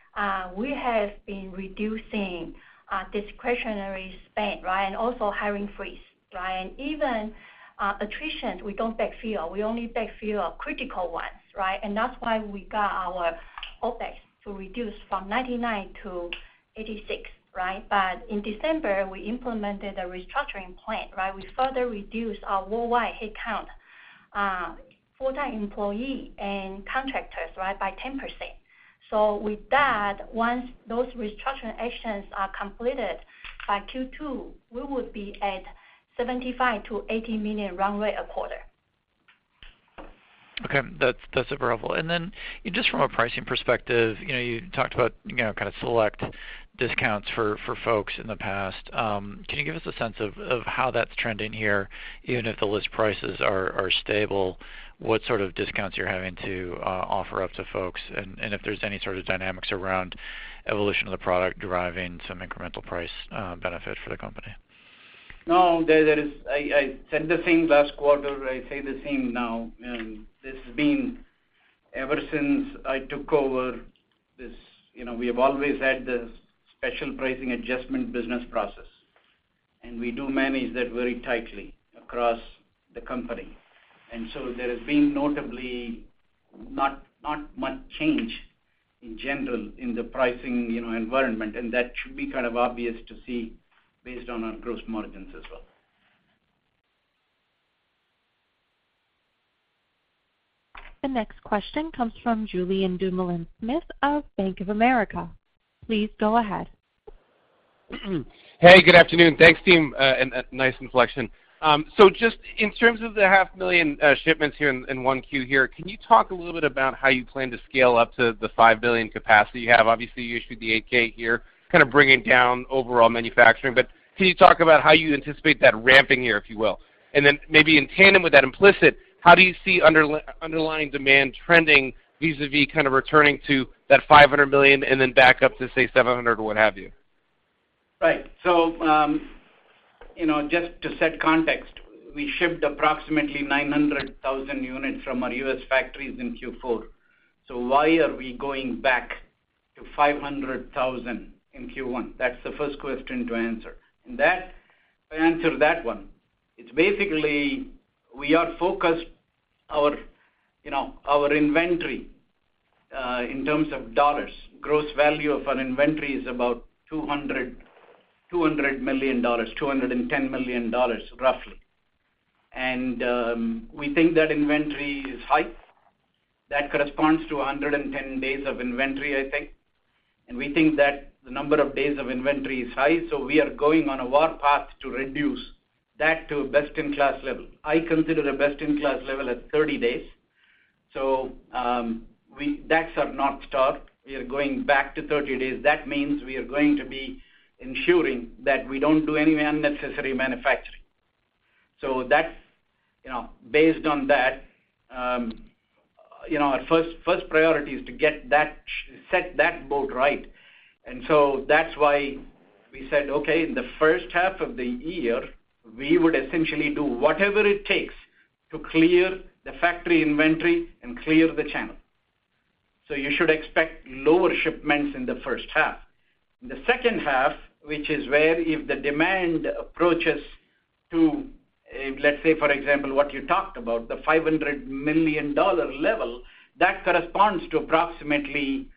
D: we have been reducing discretionary spend, right, and also hiring freeze, right. And even attrition, we don't backfill. We only backfill critical ones, right? And that's why we got our OpEx to reduce from $99 million to $86 million, right? But in December, we implemented a restructuring plan, right, we further reduced our worldwide headcount, full-time employee and contractors, right, by 10%. So with that, once those restructuring actions are completed by Q2, we would be at $75 million-$80 million run rate a quarter.
F: Okay, that's, that's super helpful. And then just from a pricing perspective, you know, you talked about, you know, kind of select discounts for, for folks in the past. Can you give us a sense of, of how that's trending here, even if the list prices are, are stable, what sort of discounts you're having to offer up to folks? And, and if there's any sort of dynamics around evolution of the product, driving some incremental price benefit for the company.
C: No, there is. I said the same last quarter, I say the same now, and this has been ever since I took over this, you know, we have always had this special pricing adjustment business process, and we do manage that very tightly across the company. And so there has been notably not much change in general in the pricing, you know, environment, and that should be kind of obvious to see based on our gross margins as well.
A: The next question comes from Julien Dumoulin-Smith of Bank of America. Please go ahead.
G: Hey, good afternoon. Thanks, team, and nice inflection. So just in terms of the 500,000 shipments here in one Q here, can you talk a little bit about how you plan to scale up to the 5 billion capacity you have? Obviously, you issued the 8-K here, kind of bringing down overall manufacturing, but can you talk about how you anticipate that ramping here, if you will? Then maybe in tandem with that implicit, how do you see underlying demand trending vis-a-vis kind of returning to that 500 million and then back up to, say, 700 or what have you?
C: Right. So, you know, just to set context, we shipped approximately 900,000 units from our U.S. factories in Q4. So why are we going back to 500,000 in Q1? That's the first question to answer. That, to answer that one, it's basically we are focused our, you know, our inventory, in terms of dollars. Gross value of our inventory is about $200, $200 million, $210 million, roughly. We think that inventory is high. That corresponds to 110 days of inventory, I think. And we think that the number of days of inventory is high, so we are going on a war path to reduce that to best-in-class level. I consider a best-in-class level at 30 days. So, we, that's our North Star. We are going back to 30 days. That means we are going to be ensuring that we don't do any unnecessary manufacturing. So that's, you know, based on that, our first priority is to get that ship set right. And so that's why we said, okay, in the first half of the year, we would essentially do whatever it takes to clear the factory inventory and clear the channel. So you should expect lower shipments in the first half. In the second half, which is where if the demand approaches to, let's say, for example, what you talked about, the $500 million level, that corresponds to approximately 3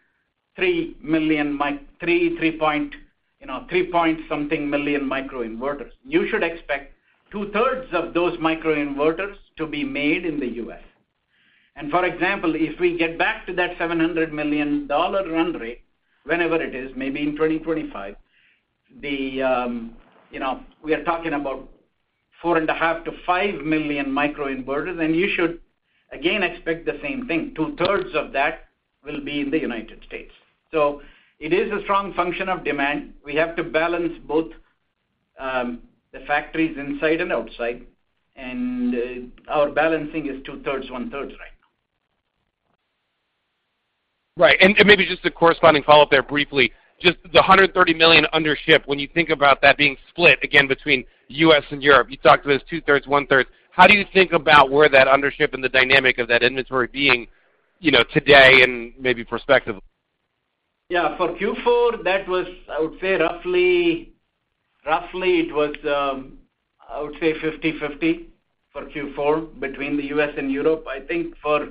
C: million microinverters – 3, three point, you know, three point something million microinverters. You should expect two-thirds of those microinverters to be made in the U.S. For example, if we get back to that $700 million run rate, whenever it is, maybe in 2025, you know, we are talking about 4.5-5 million microinverters, and you should again expect the same thing. Two-thirds of that will be in the United States. So it is a strong function of demand. We have to balance both, the factories inside and outside, and our balancing is two-thirds, one-third right now.
G: Right. And maybe just a corresponding follow-up there briefly, just the $130 million undership, when you think about that being split, again, between U.S. and Europe, you talked about two-thirds, one-third. How do you think about where that undership and the dynamic of that inventory being, you know, today and maybe perspective?
C: Yeah, for Q4, that was, I would say, roughly, roughly it was, I would say 50/50 for Q4 between the U.S. and Europe. I think for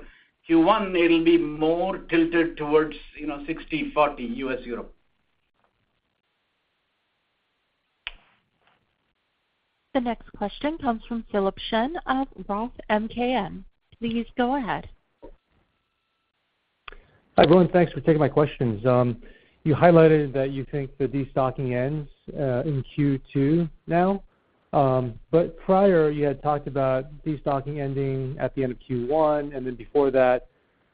C: Q1, it'll be more tilted towards, you know, 60/40, U.S., Europe.
A: The next question comes from Philip Shen of Roth MKM. Please go ahead.
H: Hi, everyone. Thanks for taking my questions. You highlighted that you think the destocking ends in Q2 now, but prior, you had talked about destocking ending at the end of Q1, and then before that,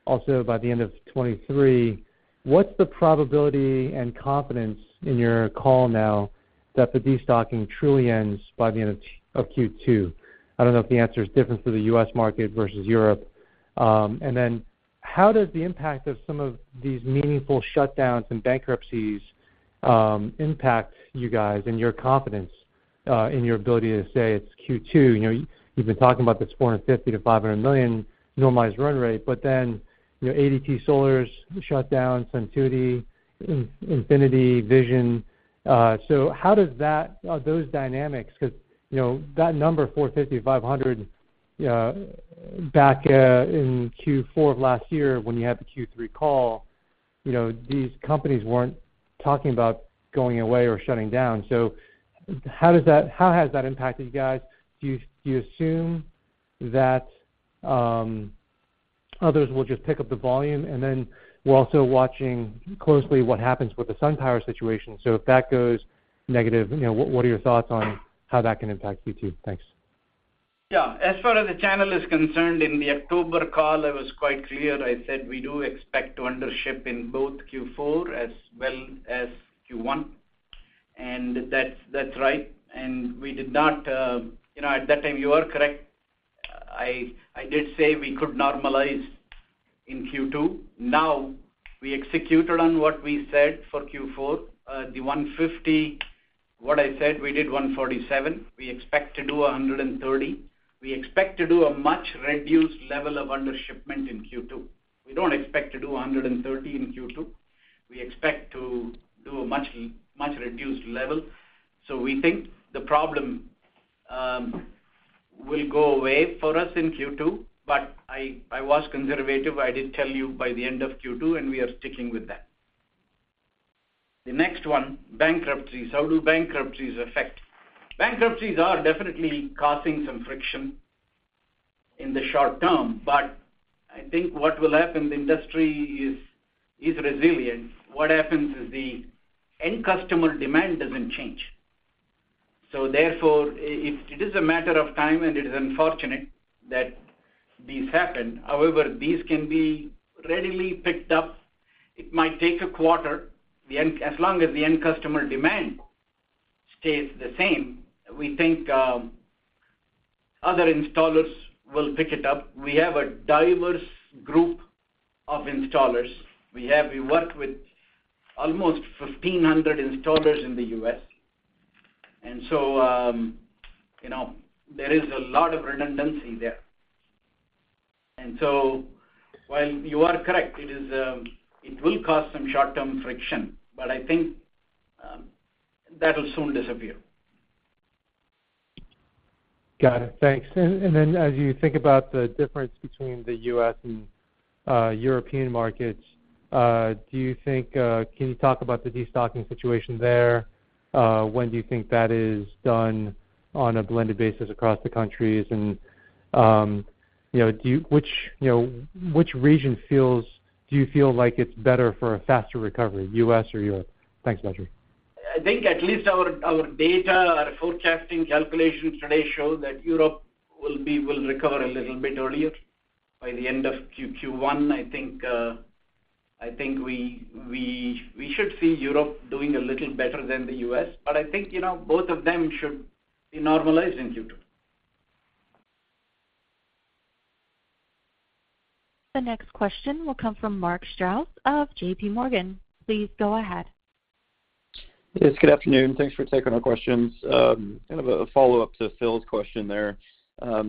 H: also by the end of 2023. What's the probability and confidence in your call now that the destocking truly ends by the end of Q2? I don't know if the answer is different for the U.S. market versus Europe. And then how does the impact of some of these meaningful shutdowns and bankruptcies impact you guys and your confidence in your ability to say it's Q2? You know, you've been talking about this $450 million-$500 million normalized run rate, but then, you know, ADT Solar's shut down, SunTuity, Infinity, Vision. So how does that. Those dynamics, 'cause, you know, that number, 450, 500, back in Q4 of last year, when you had the Q3 call, you know, these companies weren't talking about going away or shutting down. So how does that - how has that impacted you guys? Do you, do you assume that others will just pick up the volume? And then we're also watching closely what happens with the SunPower situation. So if that goes negative, you know, what, what are your thoughts on how that can impact Q2? Thanks.
C: Yeah, as far as the channel is concerned, in the October call, I was quite clear. I said, we do expect to undership in both Q4 as well as Q1, and that's, that's right. And we did not, you know, at that time, you are correct, I, I did say we could normalize in Q2. Now, we executed on what we said for Q4. The 150, what I said, we did 147. We expect to do 130. We expect to do a much reduced level of undershipment in Q2. We don't expect to do 130 in Q2. We expect to do a much, much reduced level. So we think the problem will go away for us in Q2, but I, I was conservative. I did tell you by the end of Q2, and we are sticking with that. The next one, bankruptcies. How do bankruptcies affect? Bankruptcies are definitely causing some friction in the short term, but I think what will happen, the industry is resilient. What happens is the end customer demand doesn't change. So therefore, it is a matter of time, and it is unfortunate that these happen. However, these can be readily picked up. It might take a quarter. As long as the end customer demand stays the same, we think other installers will pick it up. We have a diverse group of installers. We have—we work with almost 1,500 installers in the U.S., and so, you know, there is a lot of redundancy there. And so while you are correct, it will cause some short-term friction, but I think that'll soon disappear.
H: Got it. Thanks. And then as you think about the difference between the U.S. and European markets, do you think, can you talk about the destocking situation there? When do you think that is done on a blended basis across the countries? And, you know, which region do you feel like it's better for a faster recovery, U.S. or Europe? Thanks, Madhuri.
C: I think at least our data, our forecasting calculations today show that Europe will be, will recover a little bit earlier. By the end of Q1, I think we should see Europe doing a little better than the U.S., but I think, you know, both of them should be normalized in Q2.
A: The next question will come from Mark Strouse of JP Morgan. Please go ahead.
I: Yes, good afternoon. Thanks for taking our questions. Kind of a follow-up to Phil's question there.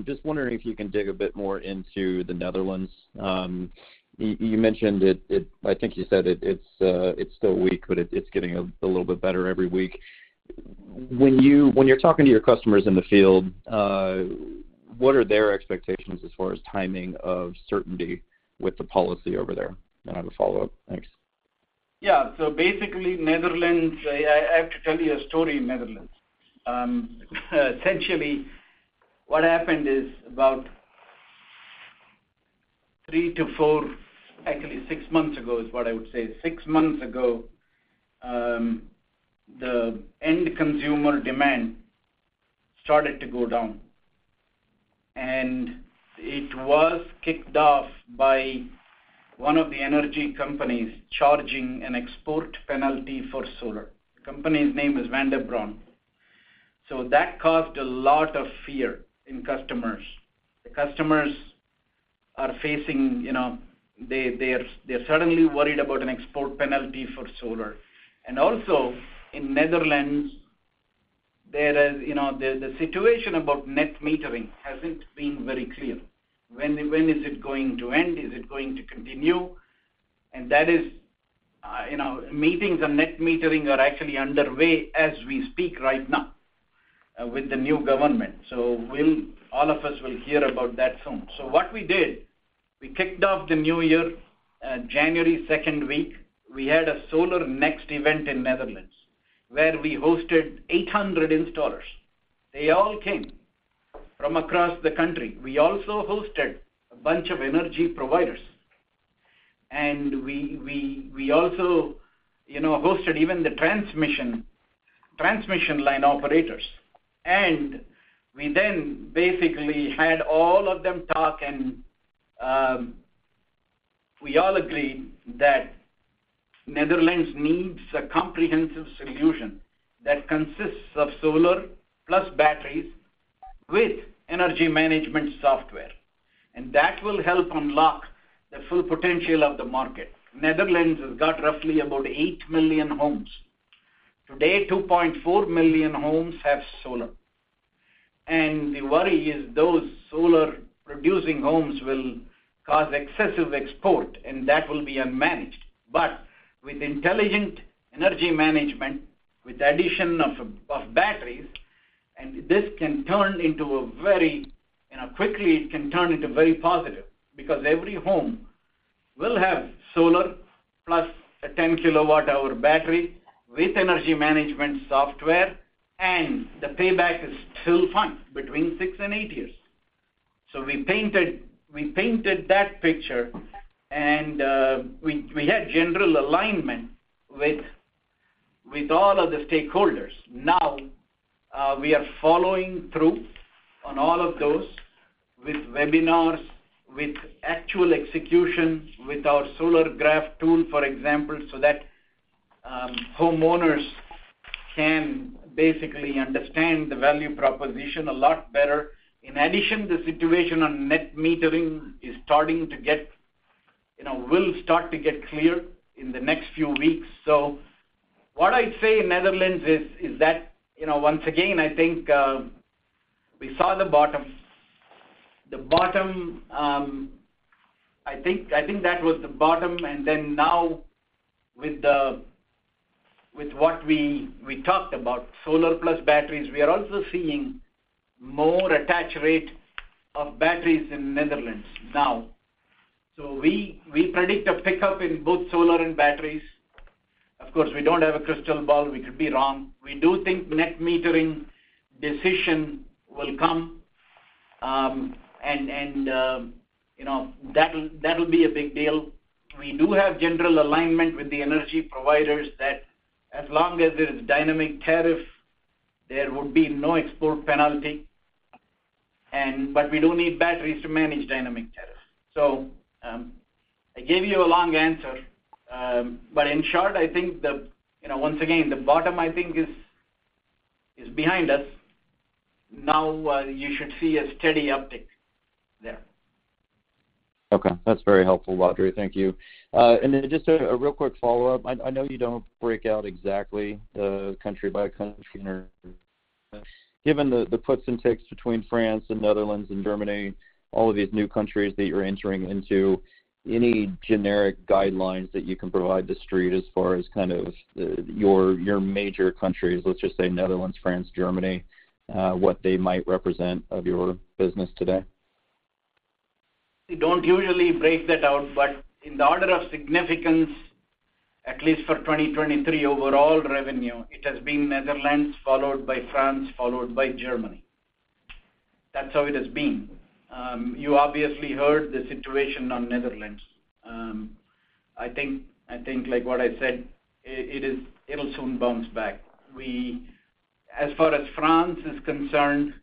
I: Just wondering if you can dig a bit more into the Netherlands. You mentioned it. I think you said it's still weak, but it's getting a little bit better every week. When you're talking to your customers in the field, what are their expectations as far as timing of certainty with the policy over there? And I have a follow-up. Thanks.
C: Yeah. So basically, Netherlands, I have to tell you a story in Netherlands. Essentially, what happened is about 3-4, actually, 6 months ago is what I would say. 6 months ago, the end consumer demand started to go down, and it was kicked off by one of the energy companies charging an export penalty for solar. The company's name is Vandebron. So that caused a lot of fear in customers. The customers are facing, you know, they are, they're suddenly worried about an export penalty for solar. And also, in Netherlands, there is, you know, the situation about net metering hasn't been very clear. When is it going to end? Is it going to continue? And that is, you know, meetings on net metering are actually underway as we speak right now, with the new government. So we'll all of us will hear about that soon. So what we did, we kicked off the new year, January second week, we had a solar next event in Netherlands, where we hosted 800 installers. They all came from across the country. We also hosted a bunch of energy providers, and we also, you know, hosted even the transmission line operators. And we then basically had all of them talk, and we all agreed that Netherlands needs a comprehensive solution that consists of solar, plus batteries, with energy management software, and that will help unlock the full potential of the market. Netherlands has got roughly about 8 million homes. Today, 2.4 million homes have solar, and the worry is those solar-producing homes will cause excessive export, and that will be unmanaged. But with intelligent energy management, with the addition of batteries, and this can turn into a very, you know, quickly, it can turn into very positive because every home will have solar plus a 10 kWh battery, with energy management software, and the payback is still fine, between six and eight years. So we painted, we painted that picture, and we had general alignment with all of the stakeholders. Now, we are following through on all of those with webinars, with actual execution, with our Solargraf tool, for example, so that homeowners can basically understand the value proposition a lot better. In addition, the situation on net metering is starting to get... You know, will start to get clear in the next few weeks. So what I'd say in Netherlands is that, you know, once again, I think, we saw the bottom. The bottom, I think, I think that was the bottom, and then now with what we talked about, solar plus batteries, we are also seeing more attach rate of batteries in Netherlands now. So we predict a pickup in both solar and batteries. Of course, we don't have a crystal ball, we could be wrong. We do think net metering decision will come, and you know, that will, that will be a big deal. We do have general alignment with the energy providers that as long as there's dynamic tariff, there would be no export penalty, and but we do need batteries to manage dynamic tariff. So, I gave you a long answer, but in short, I think the, you know, once again, the bottom, I think, is behind us. Now, you should see a steady uptick there.
I: Okay. That's very helpful, Badri. Thank you. And then just a real quick follow-up. I know you don't break out exactly, country by country or... Given the puts and takes between France and Netherlands and Germany, all of these new countries that you're entering into, any generic guidelines that you can provide the street as far as kind of your major countries, let's just say, Netherlands, France, Germany, what they might represent of your business today?
C: We don't usually break that out, but in the order of significance, at least for 2023 overall revenue, it has been Netherlands, followed by France, followed by Germany. That's how it has been. You obviously heard the situation on Netherlands. I think, I think like what I said, it, it is- it'll soon bounce back. As far as France is concerned,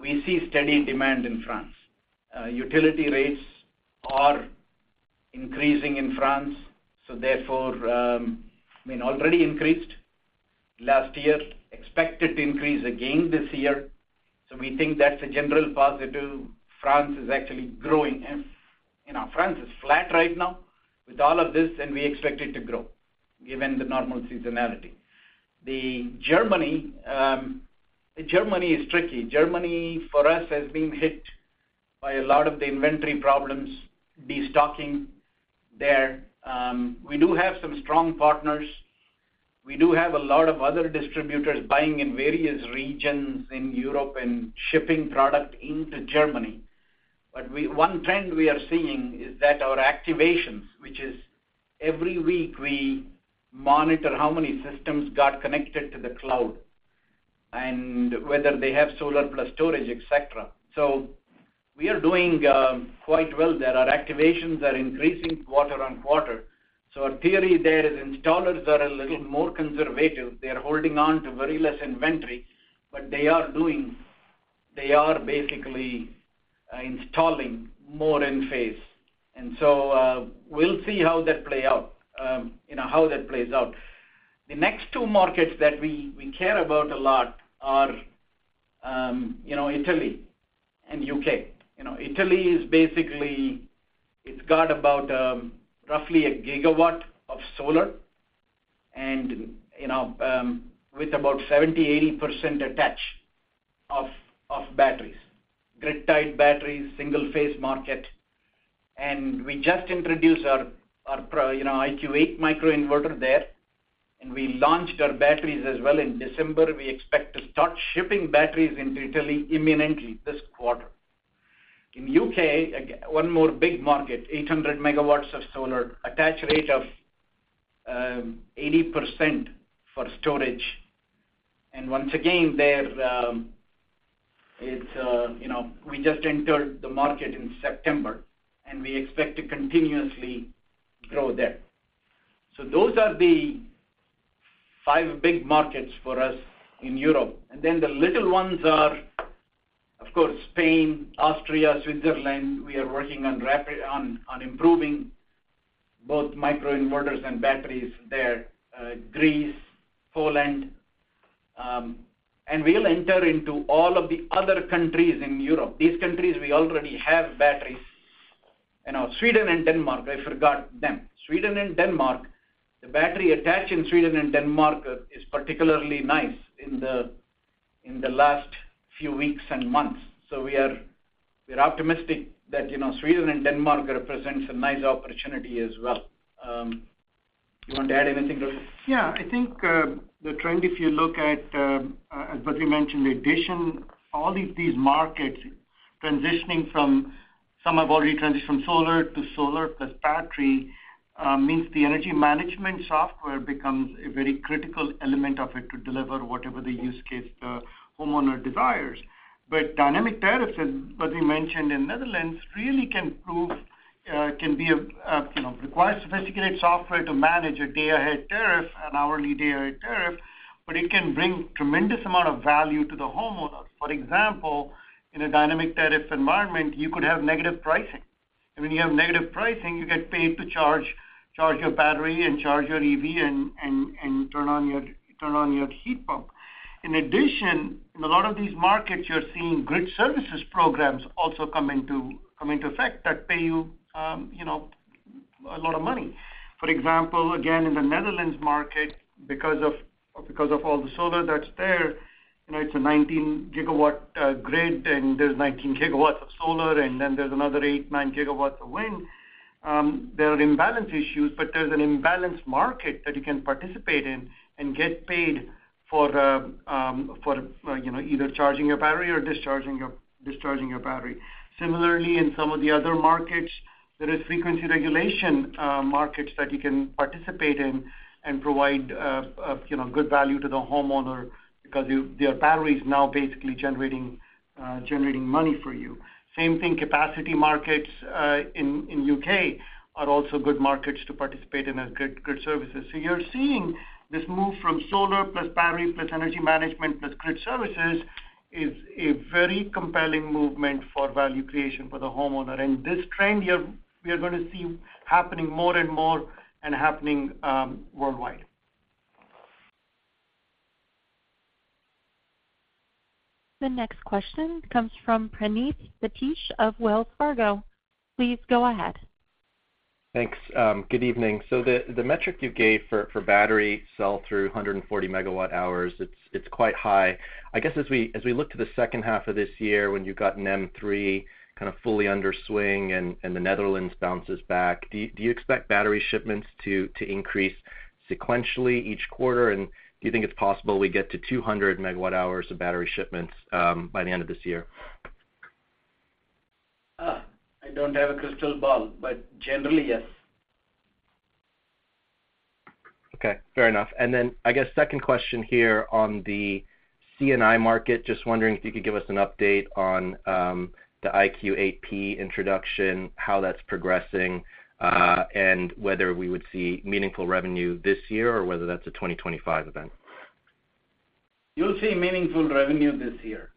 C: we see steady demand in France. Utility rates are increasing in France, so therefore, I mean, already increased last year, expected to increase again this year, so we think that's a general positive. France is actually growing, and, you know, France is flat right now with all of this, and we expect it to grow given the normal seasonality. Germany is tricky. Germany, for us, has been hit by a lot of the inventory problems, destocking there, we do have some strong partners. We do have a lot of other distributors buying in various regions in Europe and shipping product into Germany. But one trend we are seeing is that our activations, which is every week, we monitor how many systems got connected to the cloud and whether they have solar plus storage, et cetera. So we are doing quite well there. Our activations are increasing quarter-over-quarter. So our theory there is installers are a little more conservative. They are holding on to very less inventory, but they are doing... They are basically installing more Enphase, and so we'll see how that play out, you know, how that plays out. The next two markets that we care about a lot are... You know, Italy and U.K. You know, Italy is basically, it's got about, roughly 1 gigawatt of solar and, you know, with about 70-80% attached of batteries, grid-tied batteries, single-phase market. And we just introduced our IQ8 microinverter there, and we launched our batteries as well in December. We expect to start shipping batteries into Italy imminently, this quarter. In U.K., one more big market, 800 megawatts of solar, attached rate of 80% for storage. And once again, there, it's, you know, we just entered the market in September, and we expect to continuously grow there. So those are the five big markets for us in Europe. And then the little ones are, of course, Spain, Austria, Switzerland. We are working on rapidly improving both microinverters and batteries there, Greece, Poland. And we'll enter into all of the other countries in Europe. These countries, we already have batteries. And, Sweden and Denmark, I forgot them. Sweden and Denmark, the battery attached in Sweden and Denmark is particularly nice in the, in the last few weeks and months. So we are, we're optimistic that, you know, Sweden and Denmark represents a nice opportunity as well. You want to add anything, Raghu?
J: Yeah, I think the trend, if you look at, as Badri mentioned, the addition, all of these markets transitioning from... Some have already transitioned from solar to solar plus battery, means the energy management software becomes a very critical element of it to deliver whatever the use case the homeowner desires. But dynamic tariffs, as Badri mentioned in Netherlands, really can prove can be a, you know, require sophisticated software to manage a day-ahead tariff, an hourly day-ahead tariff, but it can bring tremendous amount of value to the homeowner. For example, in a dynamic tariff environment, you could have negative pricing. And when you have negative pricing, you get paid to charge your battery and charge your EV and turn on your heat pump. In addition, in a lot of these markets, you're seeing grid services programs also come into effect, that pay you, you know, a lot of money. For example, again, in the Netherlands market, because of all the solar that's there, you know, it's a 19-GW grid, and there's 19 GW of solar, and then there's another 8-9 GW of wind. There are imbalance issues, but there's an imbalance market that you can participate in and get paid for the, you know, either charging your battery or discharging your battery. Similarly, in some of the other markets, there is frequency regulation markets that you can participate in and provide, you know, good value to the homeowner because their battery is now basically generating money for you. Same thing, capacity markets in UK are also good markets to participate in as grid services. So you're seeing this move from solar plus batteries, plus energy management, plus grid services is a very compelling movement for value creation for the homeowner. And this trend, we are going to see happening more and more and happening worldwide.
A: The next question comes from Praneeth Satish of Wells Fargo. Please go ahead.
K: Thanks. Good evening. So the metric you gave for battery sell-through, 140 megawatt hours, it's quite high. I guess as we look to the second half of this year, when you've got NEM 3 kind of fully in full swing and the Netherlands bounces back, do you expect battery shipments to increase sequentially each quarter? And do you think it's possible we get to 200 megawatt hours of battery shipments by the end of this year?
C: Ah, I don't have a crystal ball, but generally, yes.
K: Okay, fair enough. And then I guess second question here on the C&I market, just wondering if you could give us an update on the IQ8P introduction, how that's progressing, and whether we would see meaningful revenue this year, or whether that's a 2025 event?
C: You'll see meaningful revenue this year.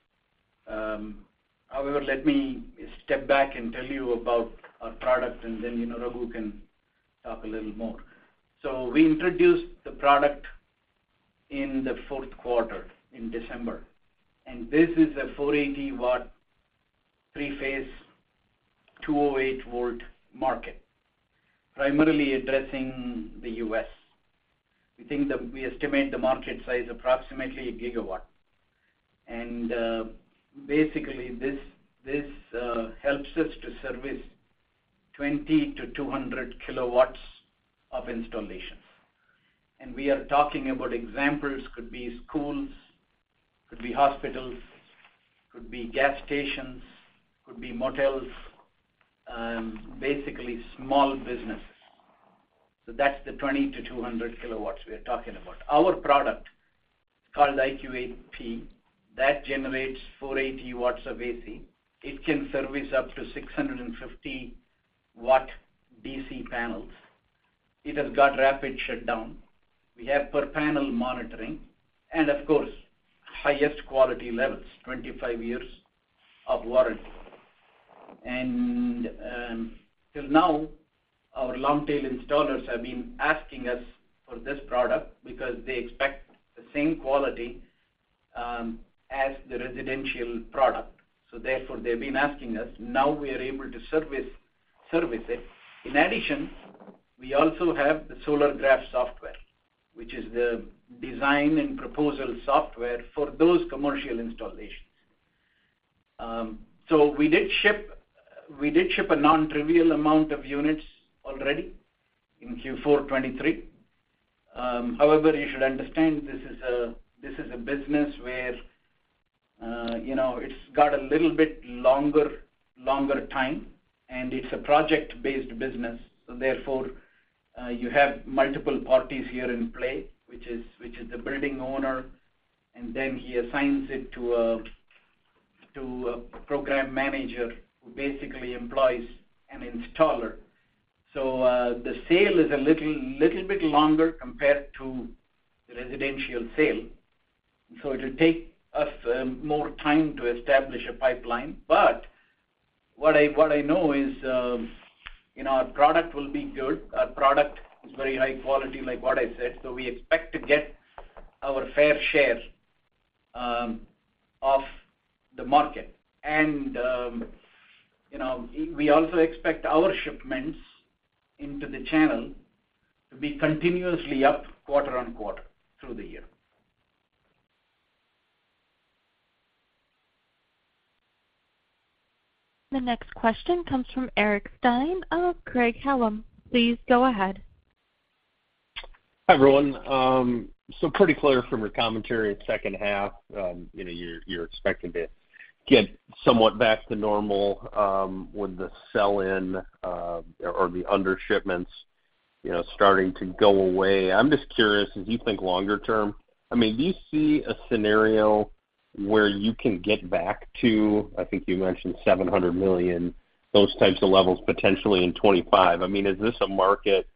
C: However, let me step back and tell you about our product, and then, you know, Raghu can talk a little more. So we introduced the product in the fourth quarter, in December, and this is a 480-watt, three-phase, 208-volt market, primarily addressing the U.S. We estimate the market size approximately 1 gigawatt. And basically, this helps us to service 20-200 kilowatts of installations. And we are talking about examples, could be schools, could be hospitals, could be gas stations, could be motels, basically small businesses. So that's the 20-200 kilowatts we are talking about. Our product, called IQ8P, that generates 480 watts of AC. It can service up to 650-watt DC panels. It has got rapid shutdown. We have per-panel monitoring and, of course, highest quality levels, 25 years of warranty. And till now, our long-tail installers have been asking us for this product because they expect the same quality as the residential product. So therefore, they've been asking us. Now, we are able to service, service it. In addition, we also have the Solargraf software, which is the design and proposal software for those commercial installations. So we did ship, we did ship a nontrivial amount of units already in Q4 2023. However, you should understand, this is a business where, you know, it's got a little bit longer, longer time, and it's a project-based business, so therefore, you have multiple parties here in play, which is, which is the building owner, and then he assigns it to a program manager, who basically employs an installer. So, the sale is a little bit longer compared to the residential sale, so it'll take us more time to establish a pipeline. But what I know is, you know, our product will be good. Our product is very high quality, like what I said, so we expect to get our fair share of the market. And, you know, we also expect our shipments into the channel to be continuously up quarter on quarter through the year.
A: The next question comes from Eric Stine of Craig-Hallum. Please go ahead.
L: Hi, everyone. So pretty clear from your commentary in second half, you know, you're expecting to get somewhat back to normal with the sell-in or the under shipments, you know, starting to go away. I'm just curious, as you think longer term, I mean, do you see a scenario where you can get back to, I think you mentioned $700 million, those types of levels, potentially in 2025? I mean, is this a market,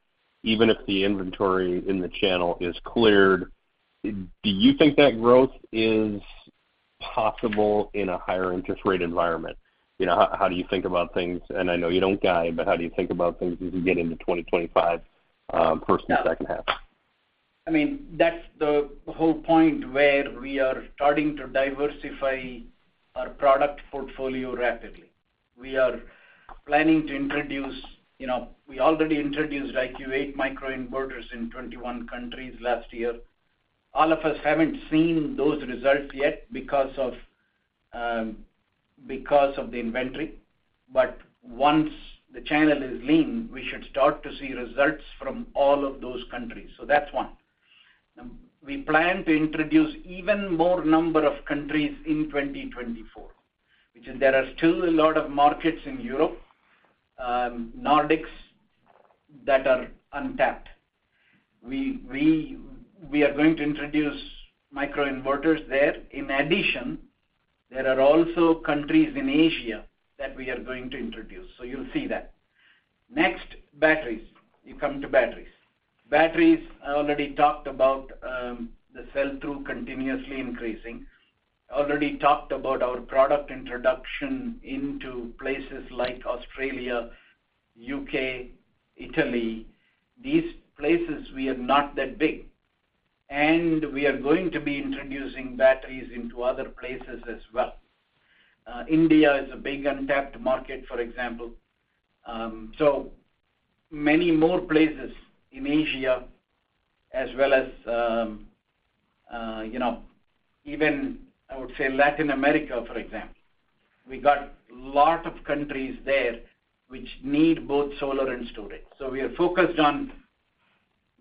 L: even if the inventory in the channel is cleared, do you think that growth is possible in a higher interest rate environment? You know, how do you think about things? And I know you don't guide, but how do you think about things as you get into 2025 versus the second half?
C: I mean, that's the whole point where we are starting to diversify our product portfolio rapidly. We are planning to introduce, you know, we already introduced IQ8 microinverters in 21 countries last year. All of us haven't seen those results yet because of, because of the inventory. But once the channel is lean, we should start to see results from all of those countries. So that's one. We plan to introduce even more number of countries in 2024, which there are still a lot of markets in Europe, Nordics, that are untapped. We are going to introduce microinverters there. In addition, there are also countries in Asia that we are going to introduce, so you'll see that. Next, batteries. You come to batteries. Batteries, I already talked about, the sell-through continuously increasing. I already talked about our product introduction into places like Australia, UK, Italy. These places, we are not that big, and we are going to be introducing batteries into other places as well. India is a big untapped market, for example. So many more places in Asia, as well as, you know, even I would say Latin America, for example. We got lot of countries there which need both solar and storage, so we are focused on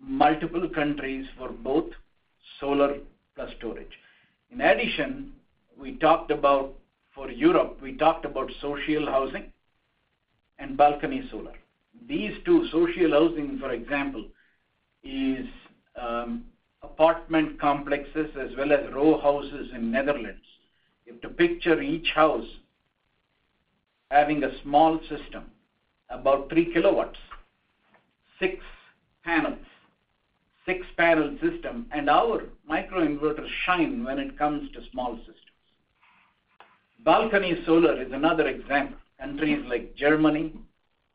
C: multiple countries for both solar plus storage. In addition, we talked about, for Europe, we talked about social housing and balcony solar. These two, social housing, for example, is apartment complexes as well as row houses in Netherlands. You have to picture each house having a small system, about 3 kilowatts, 6 panels, 6-panel system, and our microinverters shine when it comes to small systems. Balcony solar is another example. Countries like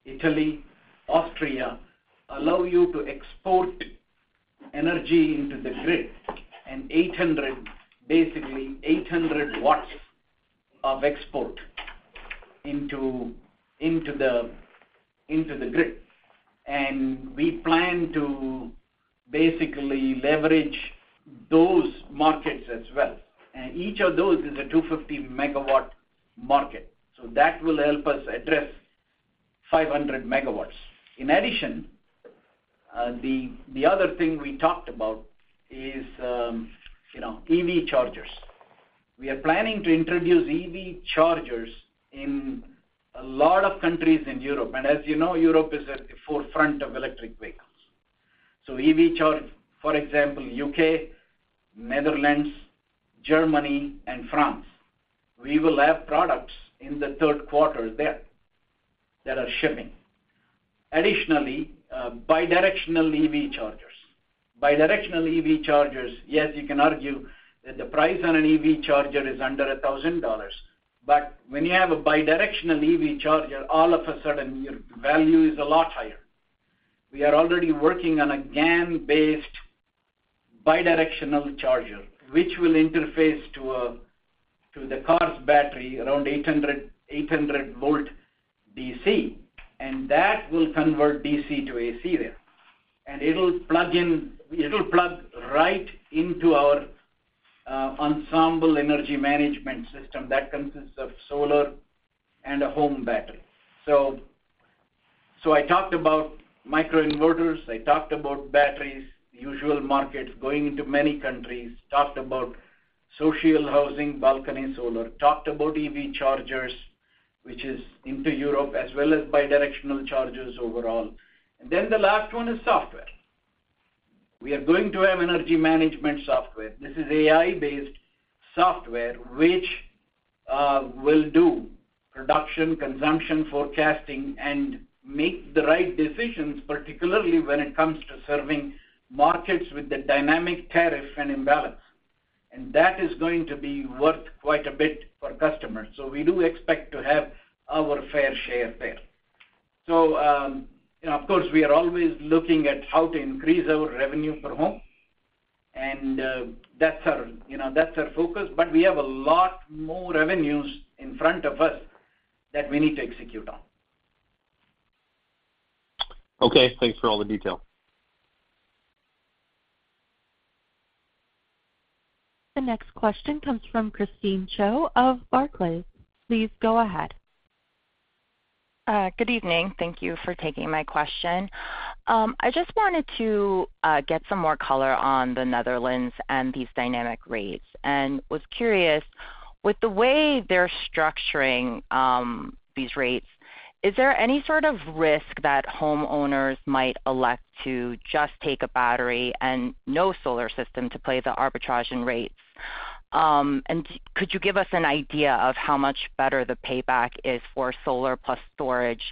C: Germany, Italy, Austria, allow you to export energy into the grid, and 800, basically, 800 watts of export into the grid. And we plan to basically leverage those markets as well. And each of those is a 250-megawatt market, so that will help us address 500 megawatts. In addition, the other thing we talked about is, you know, EV chargers. We are planning to introduce EV chargers in a lot of countries in Europe, and as you know, Europe is at the forefront of electric vehicles. So EV chargers, for example, UK, Netherlands, Germany, and France, we will have products in the third quarter there, that are shipping. Additionally, bidirectional EV chargers. Bidirectional EV chargers, yes, you can argue that the price on an EV charger is under $1,000, but when you have a bidirectional EV charger, all of a sudden, your value is a lot higher. We are already working on a GaN-based bidirectional charger, which will interface to the car's battery, around 800-volt DC, and that will convert DC to AC there. And it'll plug in, it'll plug right into our Ensemble energy management system that consists of solar and a home battery. So I talked about microinverters, I talked about batteries, usual markets going into many countries, talked about social housing, Balcony Solar, talked about EV chargers, which is into Europe, as well as bidirectional chargers overall. And then the last one is software. We are going to have energy management software. This is AI-based software, which will do production, consumption, forecasting, and make the right decisions, particularly when it comes to serving markets with the dynamic tariff and imbalance, and that is going to be worth quite a bit for customers. So we do expect to have our fair share there. So, of course, we are always looking at how to increase our revenue per home, and that's our, you know, that's our focus. But we have a lot more revenues in front of us that we need to execute on.
L: Okay, thanks for all the detail.
A: The next question comes from Christine Cho of Barclays. Please go ahead.
M: Good evening. Thank you for taking my question. I just wanted to get some more color on the Netherlands and these dynamic rates, and was curious, with the way they're structuring these rates, is there any sort of risk that homeowners might elect to just take a battery and no solar system to play the arbitrage in rates? And could you give us an idea of how much better the payback is for solar-plus-storage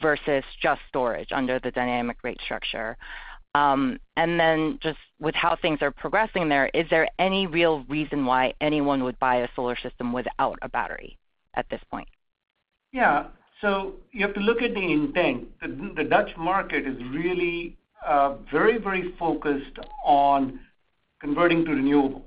M: versus just storage under the dynamic rate structure? And then just with how things are progressing there, is there any real reason why anyone would buy a solar system without a battery at this point?
C: Yeah, so you have to look at the intent. The Dutch market is really very, very focused on converting to renewables.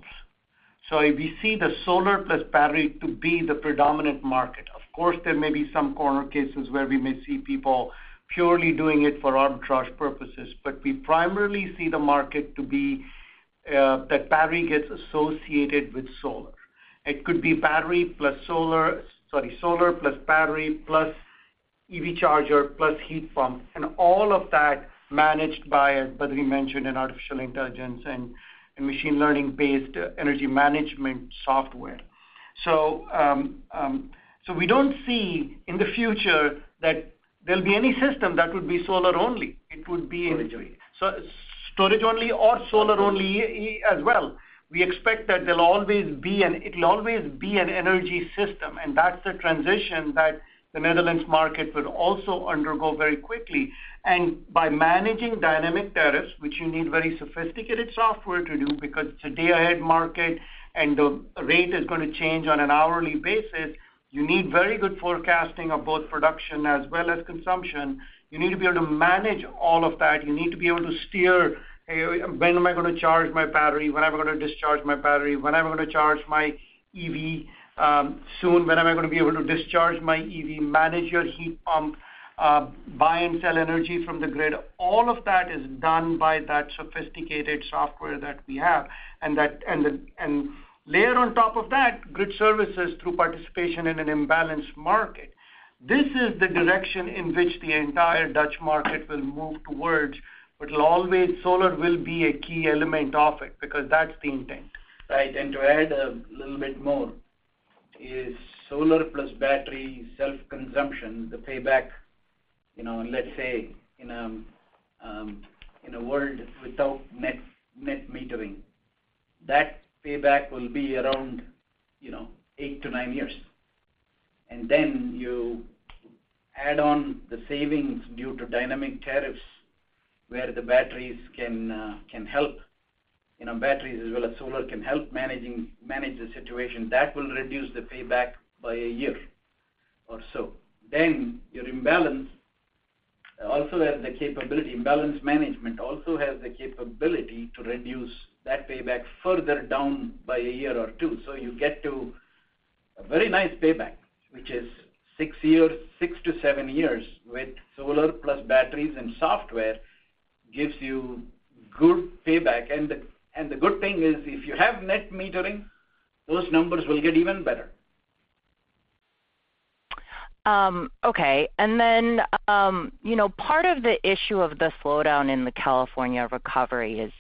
C: So we see the solar-plus-battery to be the predominant market. Of course, there may be some corner cases where we may see people purely doing it for arbitrage purposes, but we primarily see the market to be that battery gets associated with solar. It could be battery plus solar, sorry, solar plus battery, plus EV charger, plus heat pump, and all of that managed by, as Badri mentioned, an artificial intelligence and machine learning-based energy management software. So, so we don't see in the future that there'll be any system that would be solar only. It would be, Storage. So storage only or solar only as well. We expect that there'll always be an. It'll always be an energy system, and that's the transition that the Netherlands market would also undergo very quickly. And by managing dynamic tariffs, which you need very sophisticated software to do, because it's a day-ahead market, and the rate is going to change on an hourly basis, you need very good forecasting of both production as well as consumption. You need to be able to manage all of that. You need to be able to steer when am I going to charge my battery? When am I going to discharge my battery? When am I going to charge my EV soon? When am I going to be able to discharge my EV? Manage your heat pump, buy and sell energy from the grid. All of that is done by that sophisticated software that we have and layer on top of that, grid services through participation in an imbalanced market. This is the direction in which the entire Dutch market will move towards, but always, solar will be a key element of it because that's the intent.
D: Right. And to add a little bit more, is solar-plus-battery self-consumption, the payback, you know, let's say in a world without net metering, that payback will be around, you know, eight to nine years. And then you add on the savings due to dynamic tariffs, where the batteries can help, you know, batteries as well as solar can help manage the situation. That will reduce the payback by a year or so. Then your imbalance also has the capability, imbalance management also has the capability to reduce that payback further down by a year or two. So you get to a very nice payback, which is six years, six to seven years with solar plus batteries and software, gives you good payback. And the good thing is, if you have net metering, those numbers will get even better.
M: Okay. And then, you know, part of the issue of the slowdown in the California recovery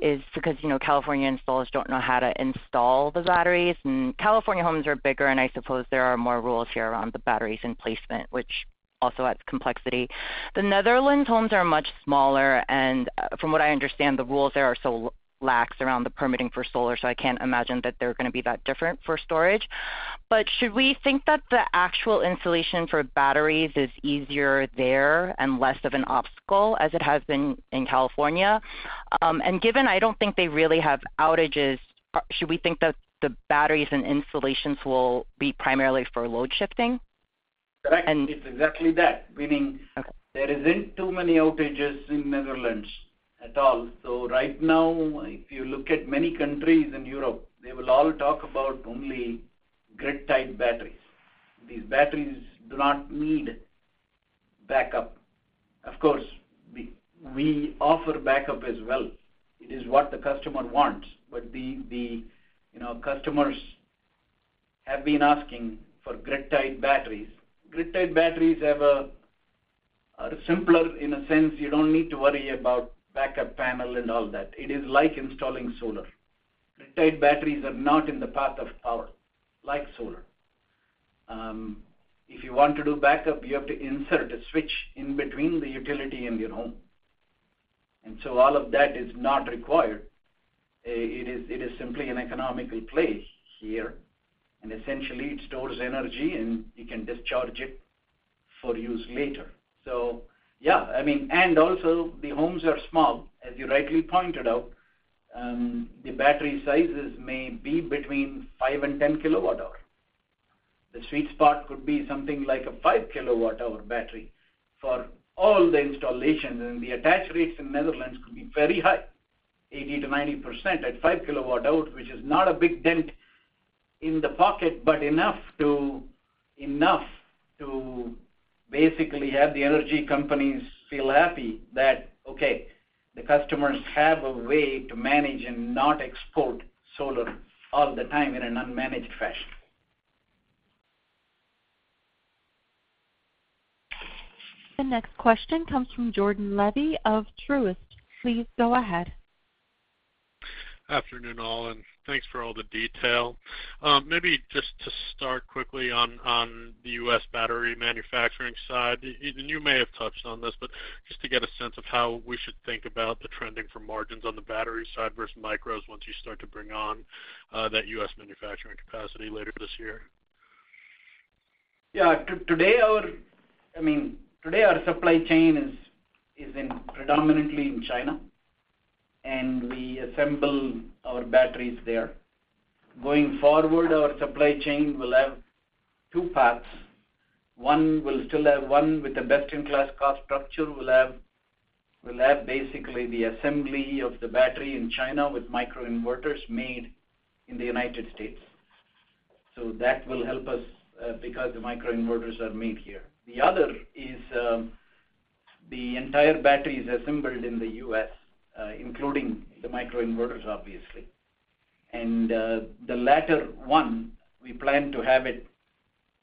M: is because, you know, California installers don't know how to install the batteries. And California homes are bigger, and I suppose there are more rules here around the batteries and placement, which also adds complexity. The Netherlands homes are much smaller, and from what I understand, the rules there are so lax around the permitting for solar, so I can't imagine that they're going to be that different for storage. Should we think that the actual installation for batteries is easier there and less of an obstacle, as it has been in California? And given I don't think they really have outages, should we think that the batteries and installations will be primarily for load shifting?
C: Correct. And It's exactly that, meaning. Okay there isn't too many outages in Netherlands at all. So right now, if you look at many countries in Europe, they will all talk about only grid-tied batteries. These batteries do not need backup. Of course, we offer backup as well. It is what the customer wants, but you know, customers have been asking for grid-tied batteries. Grid-tied batteries are simpler in a sense, you don't need to worry about backup panel and all that. It is like installing solar. Grid-tied batteries are not in the path of power, like solar. If you want to do backup, you have to insert a switch in between the utility and your home, and so all of that is not required. It is simply an economical play here, and essentially it stores energy, and you can discharge it for use later. So, yeah, I mean, and also, the homes are small, as you rightly pointed out. The battery sizes may be between five and 10 kWh. The sweet spot could be something like a 5 kWh battery for all the installations, and the attach rates in Netherlands could be very high, 80%-90% at 5 kWh, which is not a big dent in the pocket, but enough to, enough to basically have the energy companies feel happy that, okay, the customers have a way to manage and not export solar all the time in an unmanaged fashion.
A: The next question comes from Jordan Levy of Truist. Please go ahead.
N: Afternoon, all, and thanks for all the detail. Maybe just to start quickly on the U.S. battery manufacturing side, and you may have touched on this, but just to get a sense of how we should think about the trending for margins on the battery side versus micros, once you start to bring on that U.S. manufacturing capacity later this year.
C: Yeah. Today, our, I mean, today, our supply chain is predominantly in China, and we assemble our batteries there. Going forward, our supply chain will have two paths. One, we'll still have one with the best-in-class cost structure. We'll have basically the assembly of the battery in China with microinverters made in the United States. So that will help us because the microinverters are made here. The other is the entire battery is assembled in the U.S., including the microinverters, obviously. And the latter one, we plan to have it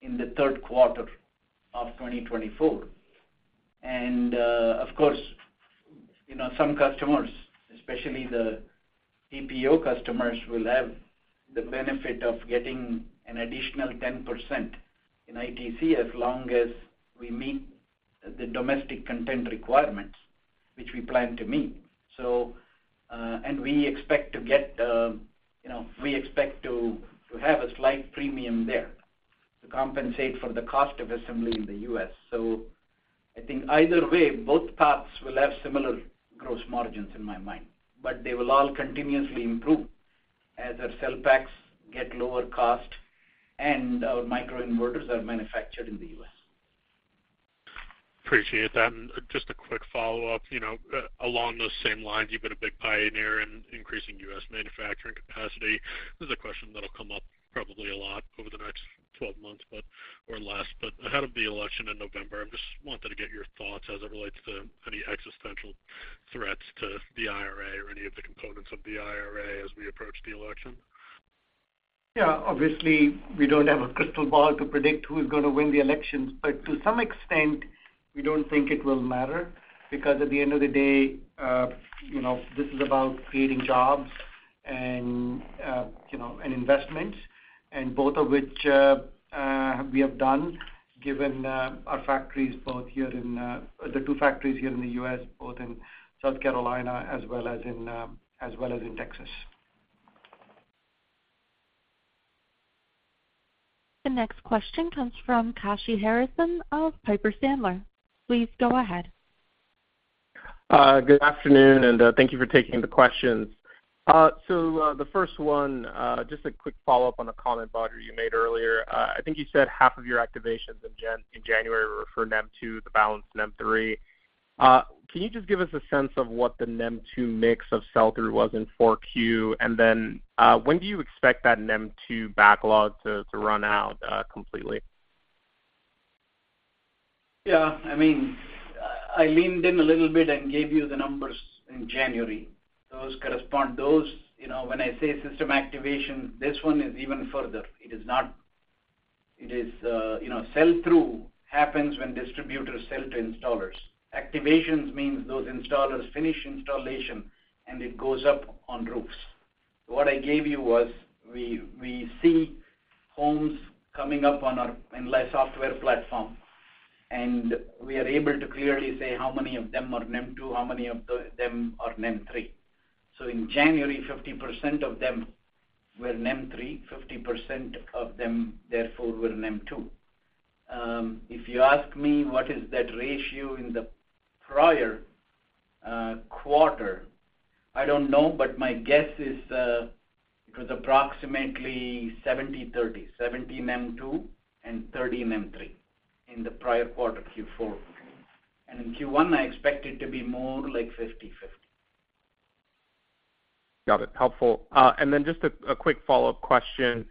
C: in the third quarter of 2024. And of course, you know, some customers, especially the TPO customers, will have the benefit of getting an additional 10% in ITC as long as we meet the domestic content requirements, which we plan to meet. So, and we expect, you know, we expect to have a slight premium there to compensate for the cost of assembly in the U.S. So I think either way, both paths will have similar gross margins in my mind, but they will all continuously improve as our cell packs get lower cost and our microinverters are manufactured in the U.S.
N: Appreciate that, and just a quick follow-up. You know, along those same lines, you've been a big pioneer in increasing U.S. manufacturing capacity. This is a question that'll come up probably a lot over the next 12 months, but, or less, but ahead of the election in November, I just wanted to get your thoughts as it relates to any existential threats to the IRA or any of the components of the IRA as we approach the election.
C: Yeah, obviously, we don't have a crystal ball to predict who is going to win the elections, but to some extent, we don't think it will matter. Because at the end of the day, you know, this is about creating jobs and, you know, and investments, and both of which, we have done, given, our factories, both here in, the two factories here in the U.S., both in South Carolina as well as in, as well as in Texas.
A: The next question comes from Kashy Harrison of Piper Sandler. Please go ahead.
O: Good afternoon, and thank you for taking the questions. So, the first one, just a quick follow-up on a comment, Badri, you made earlier. I think you said half of your activations in January were for NEM2, the balance NEM3. Can you just give us a sense of what the NEM2 mix of sell-through was in 4Q? And then, when do you expect that NEM2 backlog to run out completely?
C: Yeah, I mean, I leaned in a little bit and gave you the numbers in January. Those correspond. Those, you know, when I say system activation, this one is even further. It is not. It is, you know, sell-through happens when distributors sell to installers. Activations means those installers finish installation, and it goes up on roofs. So what I gave you was, we, we see homes coming up on our in-life software platform, and we are able to clearly say how many of them are NEM 2, how many of them are NEM 3. So in January, 50% of them were NEM 3, 50% of them, therefore, were NEM 2. If you ask me, what is that ratio in the prior quarter, I don't know, but my guess is, it was approximately 70/30, 70 NEM 2.0 and 30 NEM 3.0 in the prior quarter, Q4. In Q1, I expect it to be more like 50/50.
O: Got it. Helpful. And then just a quick follow-up question.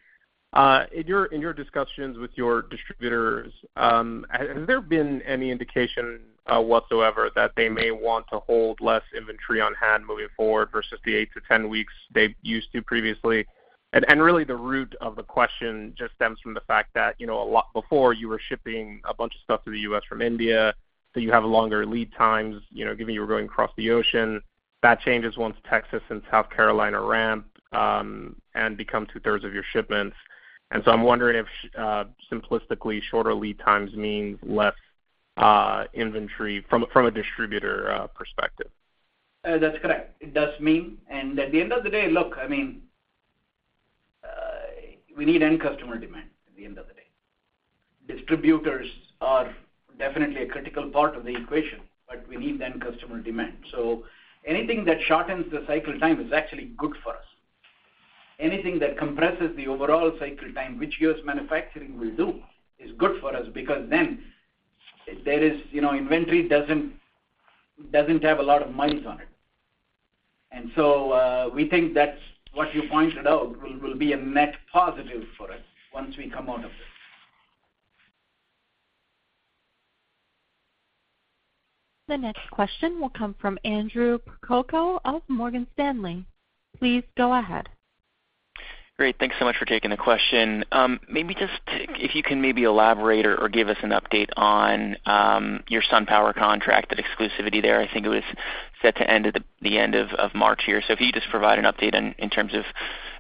O: In your discussions with your distributors, has there been any indication whatsoever that they may want to hold less inventory on hand moving forward versus the 8-10 weeks they used to previously? And really the root of the question just stems from the fact that, you know, a lot before you were shipping a bunch of stuff to the U.S. from India, so you have longer lead times, you know, given you were going across the ocean. That changes once Texas and South Carolina ramp and become two-thirds of your shipments. And so I'm wondering if, simplistically, shorter lead times mean less inventory from a distributor perspective.
C: That's correct. It does mean, and at the end of the day, look, I mean, we need end customer demand at the end of the day. Distributors are definitely a critical part of the equation, but we need the end customer demand. So anything that shortens the cycle time is actually good for us. Anything that compresses the overall cycle time, which US manufacturing will do, is good for us because then there is, you know, inventory doesn't have a lot of miles on it. And so, we think that's what you pointed out, will be a net positive for us once we come out of this.
A: The next question will come from Andrew Percoco of Morgan Stanley. Please go ahead.
P: Great, thanks so much for taking the question. Maybe just to, if you can maybe elaborate or give us an update on your SunPower contract, that exclusivity there. I think it was set to end at the end of March here. So if you could just provide an update in terms of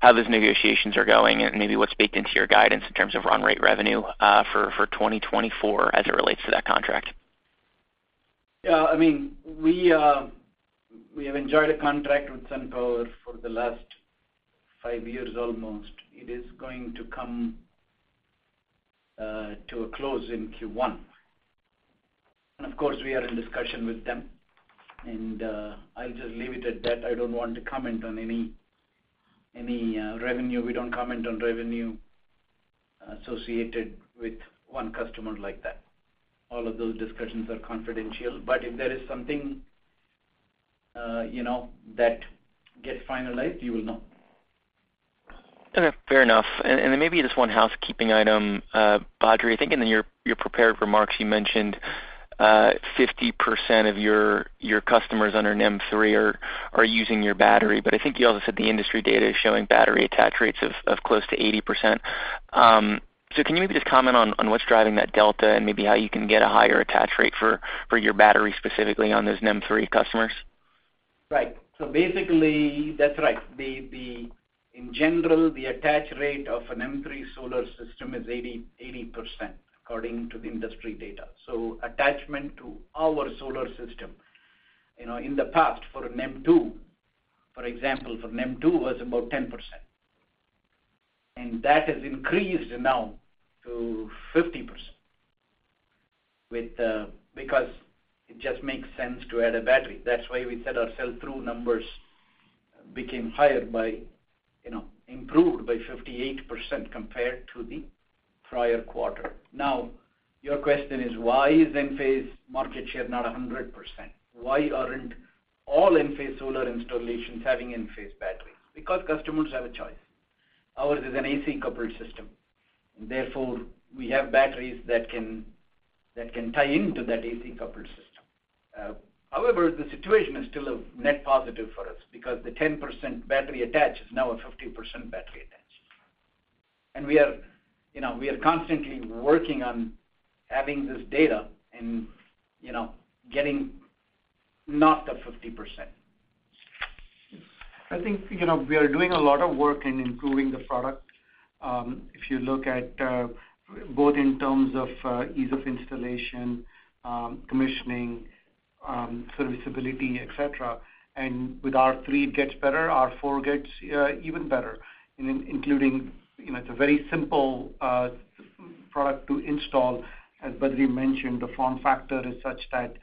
P: how those negotiations are going and maybe what's baked into your guidance in terms of run rate revenue for 2024 as it relates to that contract.
C: Yeah, I mean, we have enjoyed a contract with SunPower for the last five years, almost. It is going to come to a close in Q1. And of course, we are in discussion with them, and I'll just leave it at that. I don't want to comment on any revenue. We don't comment on revenue associated with one customer like that. All of those discussions are confidential, but if there is something, you know, that gets finalized, you will know.
P: Okay, fair enough. And then maybe just one housekeeping item, Badri. I think in your prepared remarks, you mentioned 50% of your customers under NEM 3 are using your battery. But I think you also said the industry data is showing battery attach rates of close to 80%. So can you maybe just comment on what's driving that delta and maybe how you can get a higher attach rate for your battery, specifically on those NEM 3 customers?
C: Right. So basically, that's right. The, the, in general, the attach rate of an NEM 3 solar system is 80, 80%, according to the industry data. So attachment to our solar system, you know, in the past, for NEM 2, for example, for NEM 2, was about 10%, and that has increased now to 50% with, because it just makes sense to add a battery. That's why we said our sell-through numbers became higher by, you know, improved by 58% compared to the prior quarter. Now, your question is, why is Enphase market share not 100%? Why aren't all Enphase solar installations having Enphase batteries? Because customers have a choice. Ours is an AC coupled system, therefore, we have batteries that can, that can tie into that AC coupled system. However, the situation is still a net positive for us because the 10% battery attach is now a 50% battery attach. We are, you know, we are constantly working on having this data and, you know, getting not the 50%.
D: I think, you know, we are doing a lot of work in improving the product. If you look at, both in terms of, ease of installation, commissioning, serviceability, et cetera, and with R3 it gets better, R4 gets, even better, including, you know, it's a very simple, product to install. As Badri mentioned, the form factor is such that,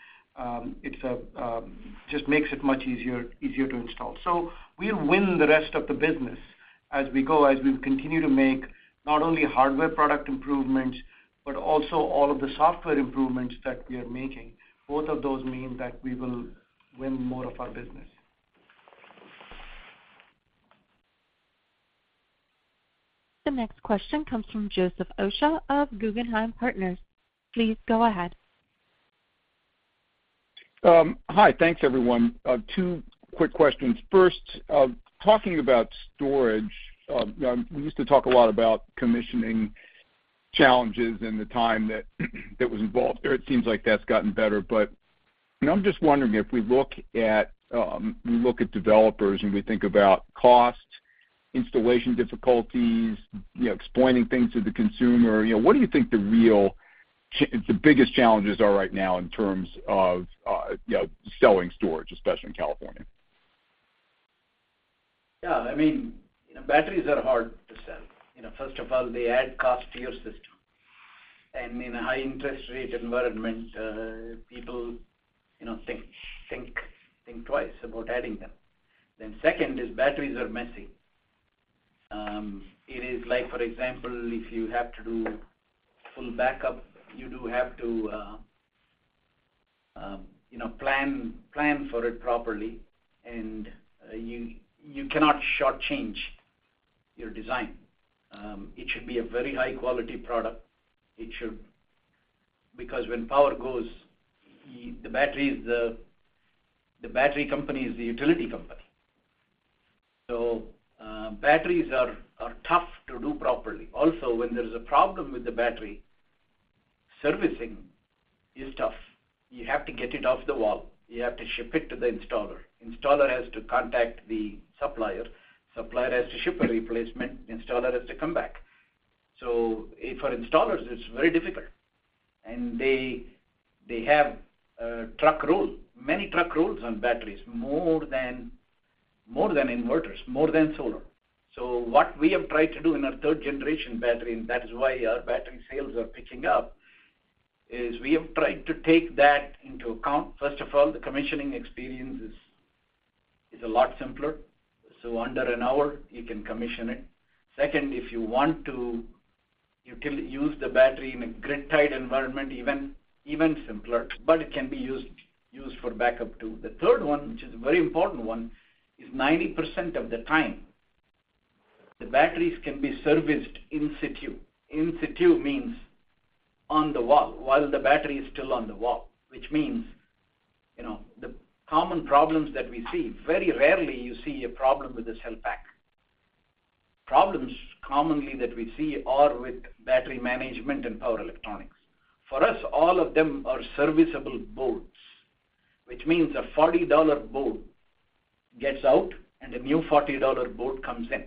D: it's a, just makes it much easier, easier to install. So we win the rest of the business as we go, as we continue to make not only hardware product improvements, but also all of the software improvements that we are making. Both of those mean that we will win more of our business.
A: The next question comes from Joseph Osha of Guggenheim Partners. Please go ahead.
Q: Hi. Thanks, everyone. Two quick questions. First, talking about storage, we used to talk a lot about commissioning challenges and the time that was involved there. It seems like that's gotten better. I'm just wondering, if we look at developers, and we think about cost, installation difficulties, you know, explaining things to the consumer, you know, what do you think the biggest challenges are right now in terms of, you know, selling storage, especially in California?
C: Yeah, I mean, you know, batteries are hard to sell. You know, first of all, they add cost to your system. And in a high interest rate environment, people, you know, think twice about adding them. Then second is batteries are messy. It is like, for example, if you have to do full backup, you do have to, you know, plan for it properly, and you cannot shortchange your design. It should be a very high-quality product. It should, because when power goes, the battery is the, the battery company is the utility company. So, batteries are tough to do properly. Also, when there is a problem with the battery, servicing is tough. You have to get it off the wall. You have to ship it to the installer. Installer has to contact the supplier. Supplier has to ship a replacement. Installer has to come back. So for installers, it's very difficult, and they have a truck roll, many truck rolls on batteries, more than inverters, more than solar. So what we have tried to do in our third-generation battery, and that is why our battery sales are picking up, is we have tried to take that into account. First of all, the commissioning experience is a lot simpler, so under an hour, you can commission it. Second, if you want to, you can use the battery in a grid-tied environment, even simpler, but it can be used for backup, too. The third one, which is a very important one, is 90% of the time, the batteries can be serviced in situ. In situ means on the wall, while the battery is still on the wall, which means, you know, the common problems that we see, very rarely you see a problem with the cell pack. Problems commonly that we see are with battery management and power electronics. For us, all of them are serviceable bolts, which means a $40 bolt gets out, and a new $40 bolt comes in.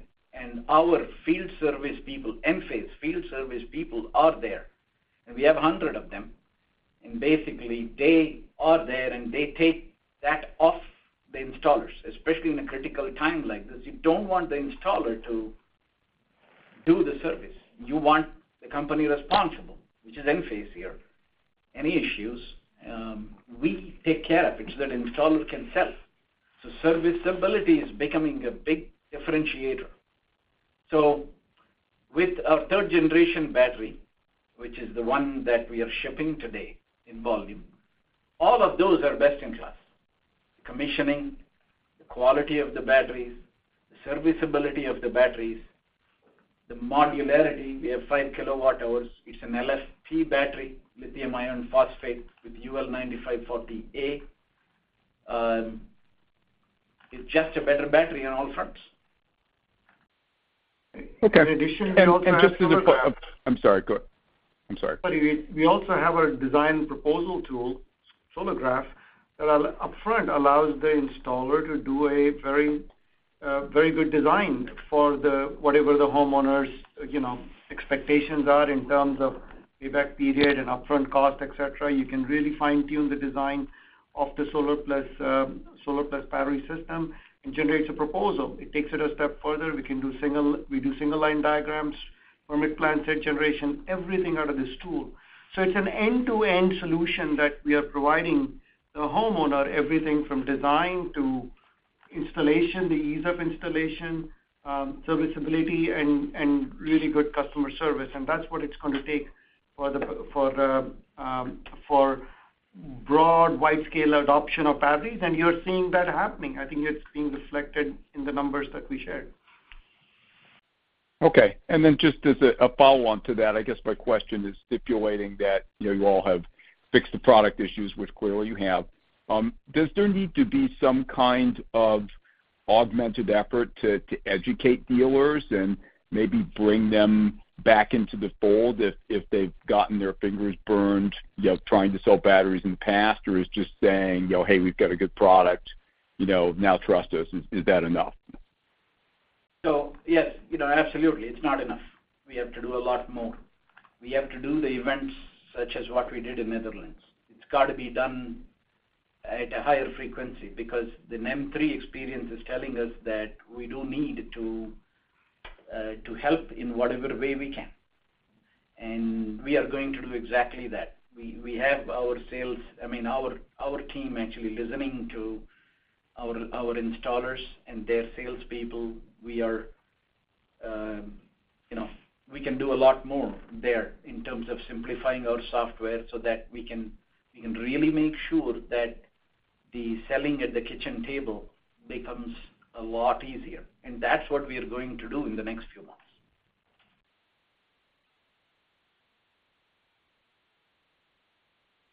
C: Our field service people, Enphase field service people, are there, and we have 100 of them, and basically, they are there, and they take that off the installers, especially in a critical time like this. You don't want the installer to do the service. You want the company responsible, which is Enphase here. Any issues, we take care of it, so that installer can sell. Serviceability is becoming a big differentiator. With our third-generation battery, which is the one that we are shipping today in volume, all of those are best in class. Commissioning, the quality of the batteries, the serviceability of the batteries, the modularity. We have 5 kWh. It's an LFP battery, lithium iron phosphate, with UL 9540A. It's just a better battery on all fronts.
Q: Okay.
J: In addition, we also have-
Q: I'm sorry. Go. I'm sorry.
J: We also have our design proposal tool, Solargraf, that up front allows the installer to do a very, very good design for the, whatever the homeowner's, you know, expectations are in terms of payback period and upfront cost, et cetera. You can really fine-tune the design of the solar plus, solar plus battery system. It generates a proposal. It takes it a step further. We do single-line diagrams, permit plan, site generation, everything out of this tool. So it's an end-to-end solution that we are providing the homeowner, everything from design to installation, the ease of installation, serviceability and, and really good customer service, and that's what it's going to take for the, for the, for broad, wide-scale adoption of batteries, and you're seeing that happening. I think it's being reflected in the numbers that we shared.
Q: Okay, and then just as a follow-on to that, I guess my question is stipulating that, you know, you all have fixed the product issues, which clearly you have. Does there need to be some kind of augmented effort to educate dealers and maybe bring them back into the fold if they've gotten their fingers burned, you know, trying to sell batteries in the past? Or is just saying, "You know, hey, we've got a good product, you know, now trust us," is that enough?
C: So yes, you know, absolutely, it's not enough. We have to do a lot more. We have to do the events such as what we did in Netherlands. It's got to be done at a higher frequency because the NEM3 experience is telling us that we do need to help in whatever way we can, and we are going to do exactly that. We have our sales, I mean, our team actually listening to our installers and their salespeople. We are, you know, we can do a lot more there in terms of simplifying our software so that we can really make sure that the selling at the kitchen table becomes a lot easier, and that's what we are going to do in the next few months.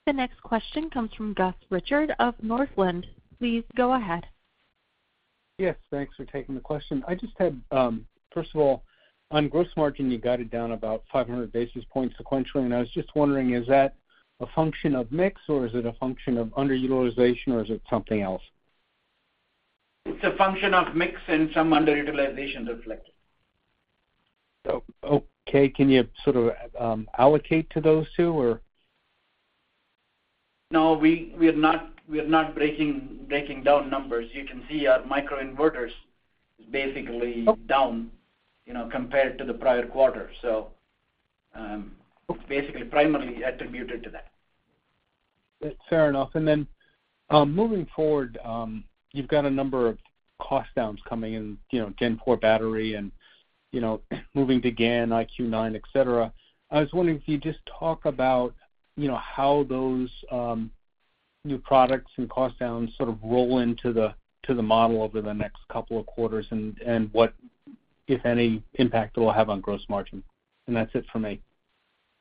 A: The next question comes from Gus Richard of Northland. Please go ahead.
R: Yes, thanks for taking the question. I just had, first of all, on gross margin, you got it down about 500 basis points sequentially, and I was just wondering, is that a function of mix, or is it a function of underutilization, or is it something else?
C: It's a function of mix and some underutilization reflected.
R: So, okay, can you sort of, allocate to those two, or?
C: No, we are not breaking down numbers. You can see our microinverters is basically-
R: Okay
C: Down, you know, compared to the prior quarter. So,
R: Okay
C: Basically, primarily attributed to that.
R: Fair enough. And then, moving forward, you've got a number of cost downs coming in, you know, gen four battery and, you know, moving to GaN, IQ9, et cetera. I was wondering if you could just talk about, you know, how those, new products and cost downs sort of roll into the, to the model over the next couple of quarters and, and what, if any, impact it will have on gross margin. And that's it for me.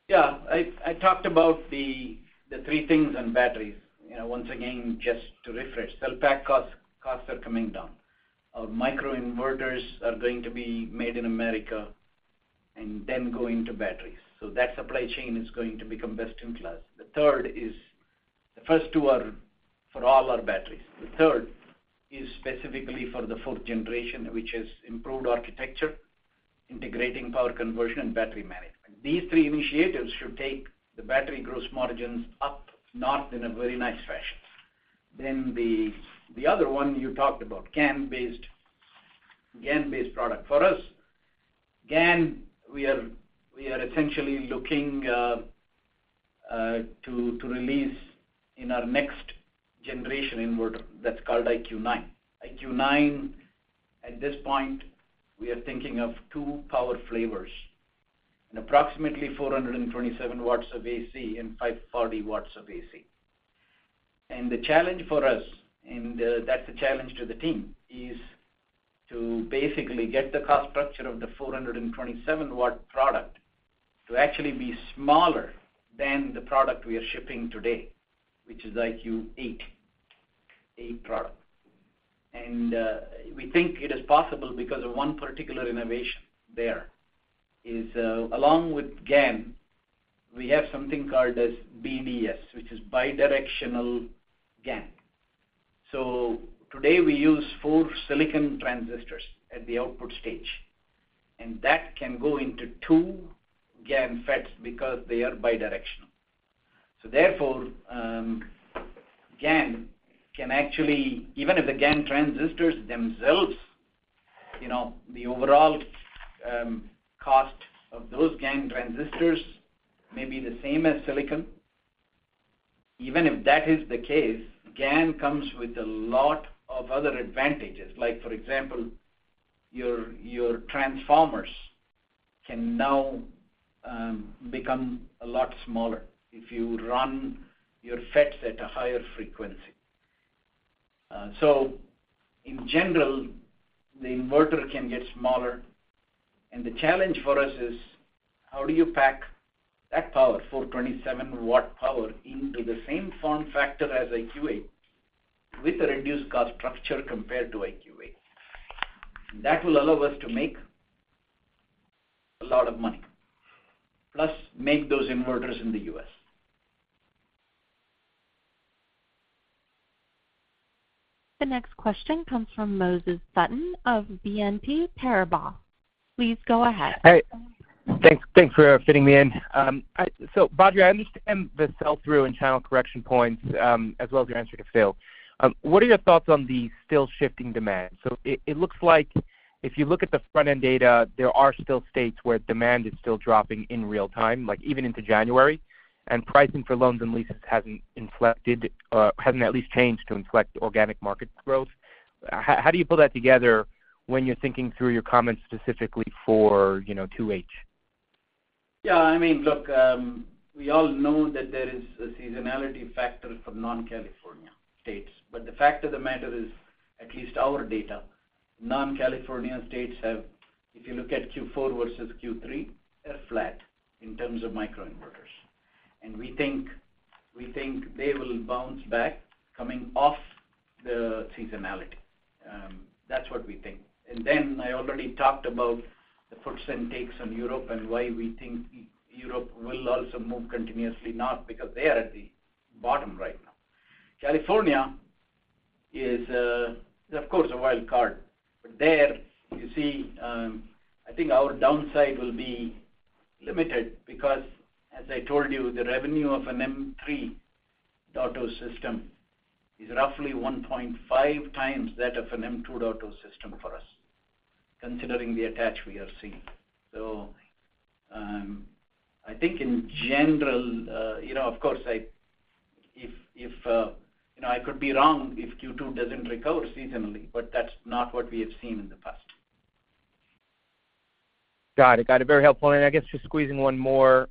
C: Yeah. I talked about the three things on batteries. You know, once again, just to refresh, cell pack costs are coming down. Our microinverters are going to be made in America and then go into batteries, so that supply chain is going to become best-in-class. The third is. The first two are for all our batteries. The third is specifically for the fourth generation, which is improved architecture, integrating power conversion and battery management. These three initiatives should take the battery gross margins up north in a very nice fashion. Then the other one you talked about, GaN-based product. For us, GaN, we are essentially looking to release in our next generation inverter. That's called IQ9. IQ9, at this point, we are thinking of two power flavors, and approximately 427 watts of AC and 540 watts of AC. The challenge for us, and that's a challenge to the team, is to basically get the cost structure of the 427-watt product to actually be smaller than the product we are shipping today, which is IQ8, IQ8 product. We think it is possible because of one particular innovation there: is, along with GaN, we have something called as BDS, which is bidirectional GaN. So today, we use 4 silicon transistors at the output stage, and that can go into two GaN FETs because they are bidirectional. So therefore, GaN can actually, even if the GaN transistors themselves, you know, the overall cost of those GaN transistors may be the same as silicon. Even if that is the case, GaN comes with a lot of other advantages, like, for example, your, your transformers can now become a lot smaller if you run your FETs at a higher frequency. So in general, the inverter can get smaller, and the challenge for us is, how do you pack that power, 427-watt power, into the same form factor as IQ8 with a reduced cost structure compared to IQ8? That will allow us to make a lot of money, plus make those inverters in the U.S.
A: The next question comes from Moses Sutton of BNP Paribas. Please go ahead.
S: Hey, thanks. Thanks for fitting me in. So, Badri, I understand the sell-through and channel correction points, as well as your answer to Phil. What are your thoughts on the still shifting demand? So it looks like if you look at the front-end data, there are still states where demand is still dropping in real time, like even into January, and pricing for loans and leases hasn't inflected or hasn't at least changed to inflect organic market growth. How do you pull that together when you're thinking through your comments, specifically for, you know, 2H?
C: Yeah, I mean, look, we all know that there is a seasonality factor for non-California states, but the fact of the matter is, at least our data, non-California states have, if you look at Q4 versus Q3, they're flat in terms of microinverters. And we think, we think they will bounce back coming off the seasonality. That's what we think. And then I already talked about the puts and takes on Europe and why we think Europe will also move continuously, not because they are at the bottom right now. California is, of course, a wild card. But there, you see, I think our downside will be limited because, as I told you, the revenue of an NEM 3.0 system is roughly 1.5 times that of an NEM 2.0 system for us, considering the attach we are seeing. I think in general, you know, of course, you know, I could be wrong if Q2 doesn't recover seasonally, but that's not what we have seen in the past.
S: Got it. Got it, very helpful. And I guess just squeezing one more.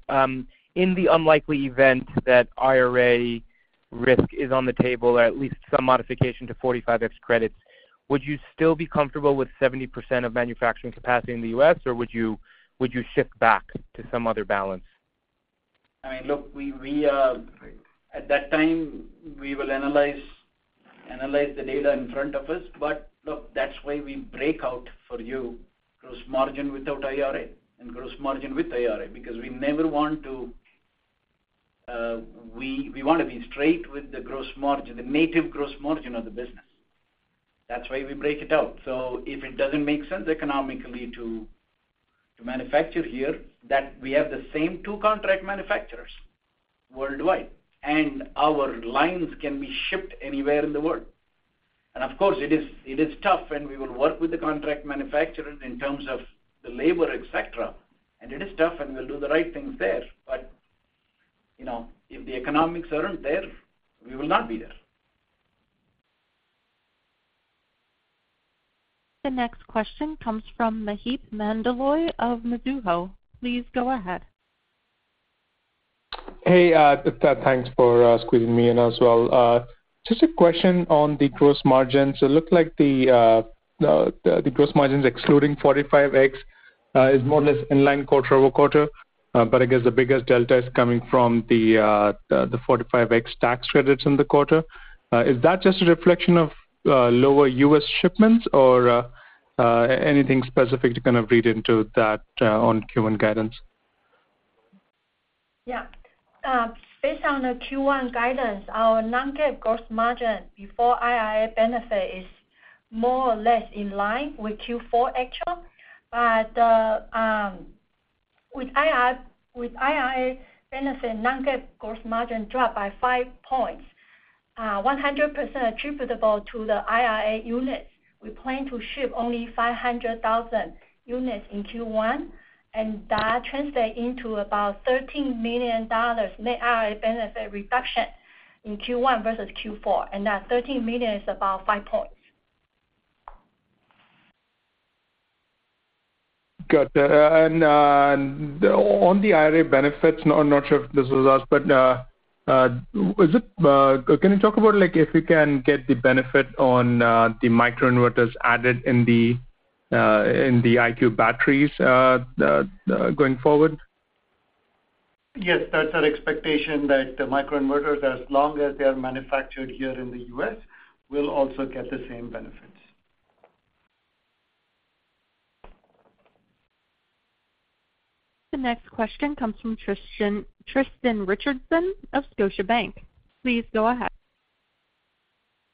S: In the unlikely event that IRA risk is on the table, or at least some modification to 45X credits, would you still be comfortable with 70% of manufacturing capacity in the U.S., or would you shift back to some other balance?
C: I mean, look, we at that time, we will analyze the data in front of us. But look, that's why we break out for you gross margin without IRA and gross margin with IRA, because we never want to, we want to be straight with the gross margin, the native gross margin of the business. That's why we break it out. So if it doesn't make sense economically to manufacture here, that we have the same two contract manufacturers worldwide, and our lines can be shipped anywhere in the world. And of course, it is tough, and we will work with the contract manufacturer in terms of the labor, et cetera. And it is tough, and we'll do the right things there. But, you know, if the economics aren't there, we will not be there.
A: The next question comes from Maheep Mandloi of Mizuho. Please go ahead.
T: Hey, thanks for squeezing me in as well. Just a question on the gross margins. It looks like the gross margins, excluding 45X, is more or less in line quarter-over-quarter. But I guess the biggest delta is coming from the 45X tax credits in the quarter. Is that just a reflection of lower U.S. shipments or anything specific to kind of read into that on Q1 guidance?
D: Yeah. Based on the Q1 guidance, our non-GAAP gross margin before IRA benefit is more or less in line with Q4 actual. But, with II, with IIA benefit, non-GAAP gross margin dropped by five points, 100% attributable to the IIA units. We plan to ship only 500,000 units in Q1, and that translate into about $13 million net IIA benefit reduction in Q1 versus Q4, and that $13 million is about five points.
T: Got that. And on the IRA benefits, I'm not sure if this is us, but is it, can you talk about, like, if we can get the benefit on the microinverters added in the IQ batteries going forward?
J: Yes, that's our expectation, that the microinverters, as long as they are manufactured here in the U.S., will also get the same benefits.
A: The next question comes from Tristan, Tristan Richardson of Scotiabank. Please go ahead.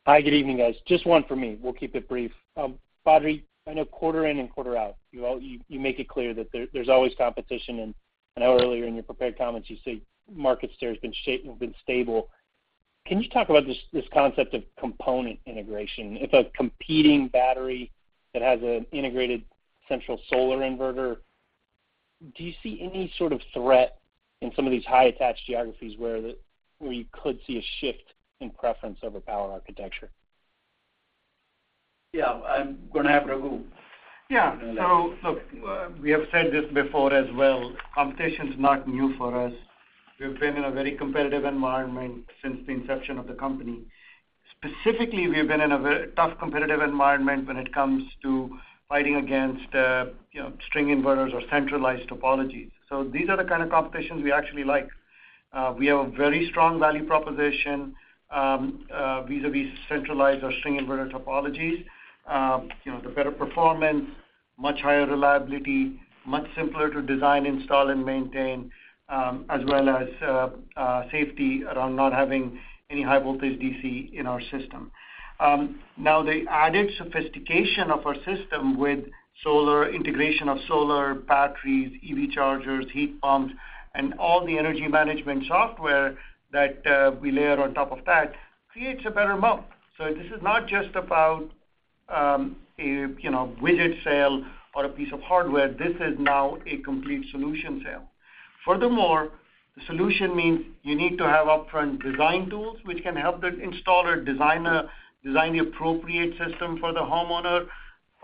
U: Hi, good evening, guys. Just one for me. We'll keep it brief. Badri, I know quarter in and quarter out, you all, you make it clear that there, there's always competition, and I know earlier in your prepared comments, you say market share has been stable. Can you talk about this concept of component integration? If a competing battery that has an integrated central solar inverter, do you see any sort of threat in some of these high-attached geographies where you could see a shift in preference over power architecture?
C: Yeah, I'm gonna have Raghu. Yeah. So look, we have said this before as well, competition's not new for us. We've been in a very competitive environment since the inception of the company. Specifically, we've been in a very tough competitive environment when it comes to fighting against, you know, string inverters or centralized topologies. So these are the kind of competitions we actually like. We have a very strong value proposition, vis-a-vis centralized or string inverter topologies. You know, the better performance, much higher reliability, much simpler to design, install, and maintain, as well as, safety around not having any high voltage DC in our system. Now, the added sophistication of our system with solar integration of solar, batteries, EV chargers, heat pumps, and all the energy management software that, we layer on top of that, creates a better moat. So this is not just about, a, you know, widget sale or a piece of hardware. This is now a complete solution sale. Furthermore, the solution means you need to have upfront design tools, which can help the installer design design the appropriate system for the homeowner.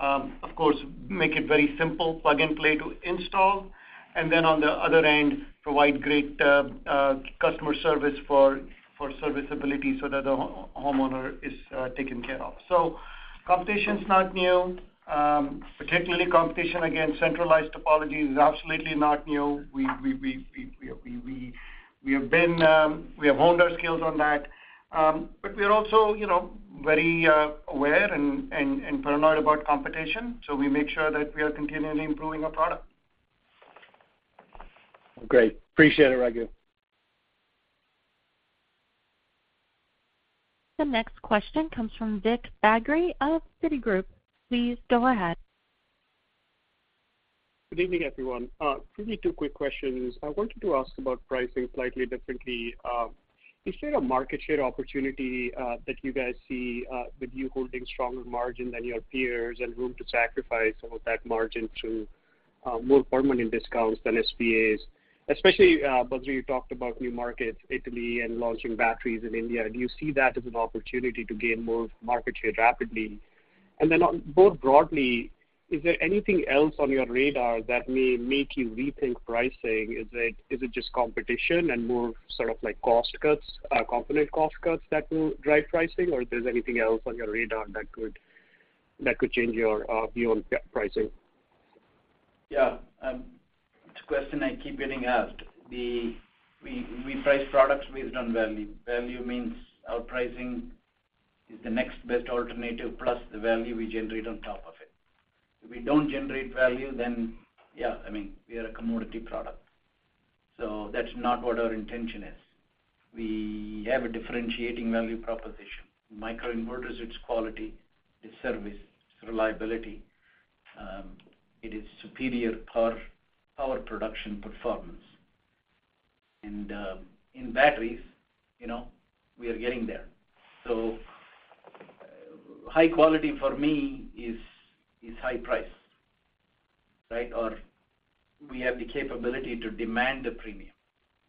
C: Of course, make it very simple, plug and play to install. And then on the other end, provide great, customer service for serviceability so that the homeowner is, taken care of. So competition's not new. Particularly competition against centralized topology is absolutely not new. We have honed our skills on that. But we are also, you know, very aware and paranoid about competition, so we make sure that we are continually improving our product.
U: Great. Appreciate it, Raghu.
A: The next question comes from Vikram Bagri of Citigroup. Please go ahead.
V: Good evening, everyone. For me, two quick questions. I wanted to ask about pricing slightly differently. Is there a market share opportunity that you guys see with you holding stronger margin than your peers and room to sacrifice some of that margin to more permanent discounts than SPAs? Especially, Badri, you talked about new markets, Italy and launching batteries in India. Do you see that as an opportunity to gain more market share rapidly? And then more broadly, is there anything else on your radar that may make you rethink pricing? Is it just competition and more sort of like cost cuts, component cost cuts that will drive pricing, or if there's anything else on your radar that could change your view on pricing?
C: Yeah, it's a question I keep getting asked. We price products based on value. Value means our pricing is the next best alternative, plus the value we generate on top of it. If we don't generate value, then, yeah, I mean, we are a commodity product. So that's not what our intention is. We have a differentiating value proposition. Microinverters, it's quality, it's service, it's reliability, it is superior power, power production performance. And in batteries, you know, we are getting there. So high quality for me is high price, right? Or we have the capability to demand a premium.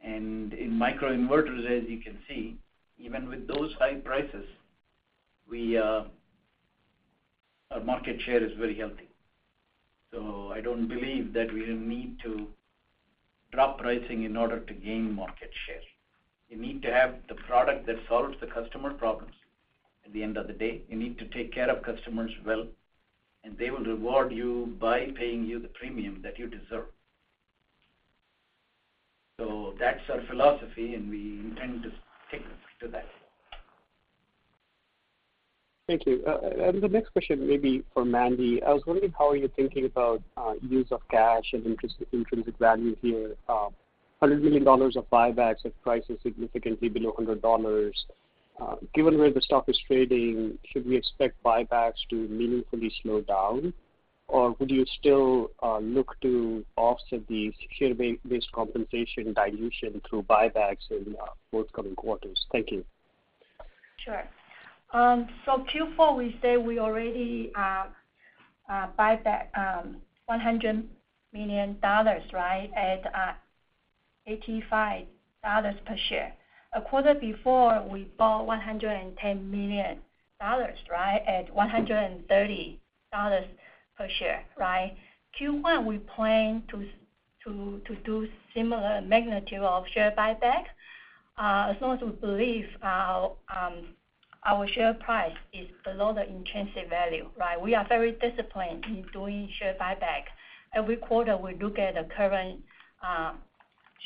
C: And in microinverters, as you can see, even with those high prices, we, our market share is very healthy. So I don't believe that we need to drop pricing in order to gain market share. You need to have the product that solves the customer problems. At the end of the day, you need to take care of customers well, and they will reward you by paying you the premium that you deserve. So that's our philosophy, and we intend to stick to that.
V: Thank you. The next question may be for Mandy. I was wondering how are you thinking about use of cash and intrinsic, intrinsic value here? $100 million of buybacks if price is significantly below $100. Given where the stock is trading, should we expect buybacks to meaningfully slow down, or would you still look to offset the share-based compensation dilution through buybacks in forthcoming quarters? Thank you.
D: Sure. So Q4, we say we already buyback $100 million, right, at $85 per share. A quarter before, we bought $110 million, right, at $130 per share, right? Q1, we plan to do similar magnitude of share buyback, as long as we believe our share price is below the intrinsic value, right? We are very disciplined in doing share buyback. Every quarter, we look at the current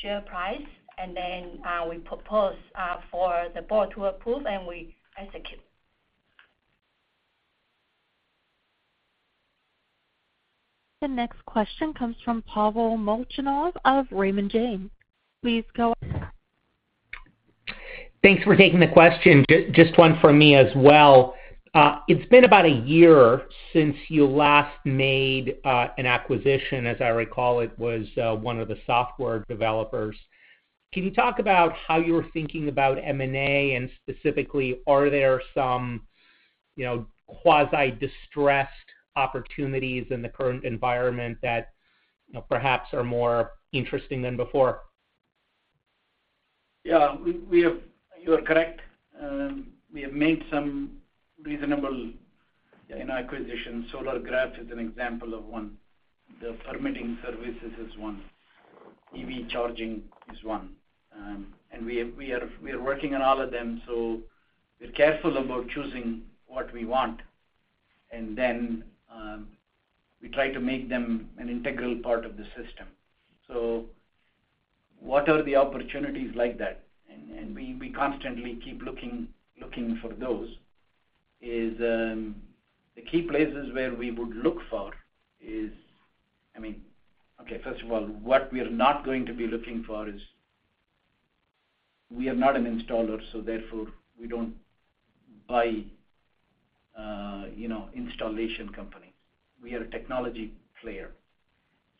D: share price, and then we propose for the board to approve, and we execute.
A: The next question comes from Pavel Molchanov of Raymond James. Please go ahead.
W: Thanks for taking the question. Just one from me as well. It's been about a year since you last made an acquisition. As I recall, it was one of the software developers. Can you talk about how you're thinking about M&A? And specifically, are there some, you know, quasi-distressed opportunities in the current environment that, you know, perhaps are more interesting than before?
C: Yeah, we have... You are correct. We have made some reasonable, you know, acquisitions. Solargraf is an example of one. The permitting services is one. EV charging is one. And we are working on all of them, so we're careful about choosing what we want, and then we try to make them an integral part of the system. So what are the opportunities like that? And we constantly keep looking for those. The key places where we would look for is, I mean... Okay, first of all, what we are not going to be looking for is, we are not an installer, so therefore, we don't buy, you know, installation companies. We are a technology player.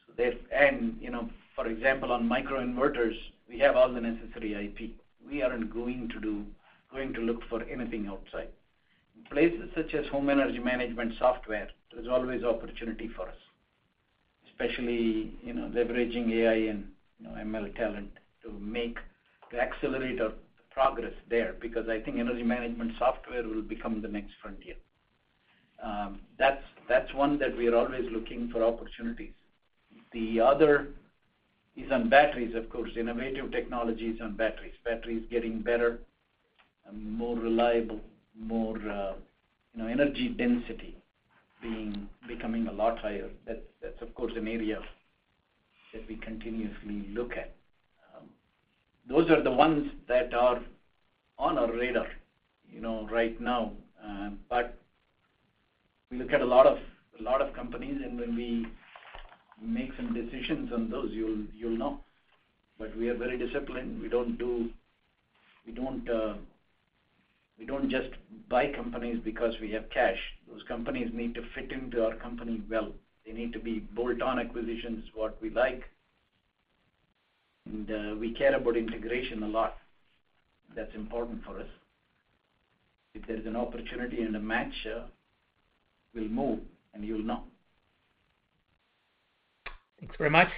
C: So there- and, you know, for example, on microinverters, we have all the necessary IP. We aren't going to look for anything outside. In places such as home energy management software, there's always opportunity for us, especially, you know, leveraging AI and, you know, ML talent to make, to accelerate our progress there, because I think energy management software will become the next frontier. That's one that we are always looking for opportunities. The other is on batteries, of course, innovative technologies on batteries. Batteries getting better and more reliable, more, you know, energy density becoming a lot higher. That's, of course, an area that we continuously look at. Those are the ones that are on our radar, you know, right now. But we look at a lot of companies, and when we make some decisions on those, you'll know. But we are very disciplined. We don't just buy companies because we have cash. Those companies need to fit into our company well. They need to be bolt-on acquisitions, what we like, and we care about integration a lot. That's important for us. If there's an opportunity and a match, we'll move, and you'll know.
W: Thanks very much.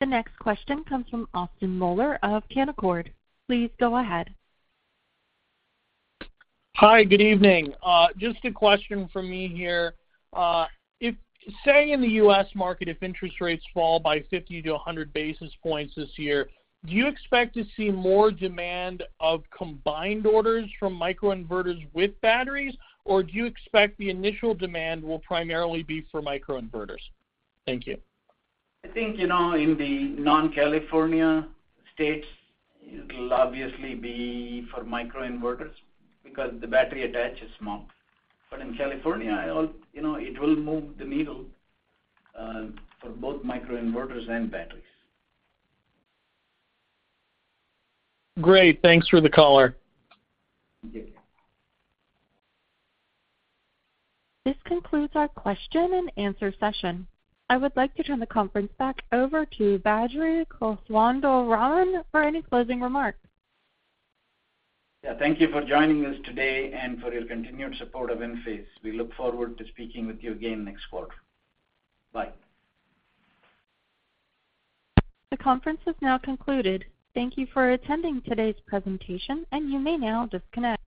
A: The next question comes from Austin Moeller of Canaccord. Please go ahead.
X: Hi, good evening. Just a question from me here. If, say, in the U.S. market, if interest rates fall by 50-100 basis points this year, do you expect to see more demand of combined orders from microinverters with batteries? Or do you expect the initial demand will primarily be for microinverters? Thank you.
C: I think, you know, in the non-California states, it'll obviously be for microinverters because the battery attach is small. But in California, I hope, you know, it will move the needle for both microinverters and batteries.
X: Great. Thanks for the color.
C: Thank you.
A: This concludes our question and answer session. I would like to turn the conference back over to Badri Kothandaraman for any closing remarks.
C: Yeah, thank you for joining us today and for your continued support of Enphase. We look forward to speaking with you again next quarter. Bye.
A: The conference is now concluded. Thank you for attending today's presentation, and you may now disconnect.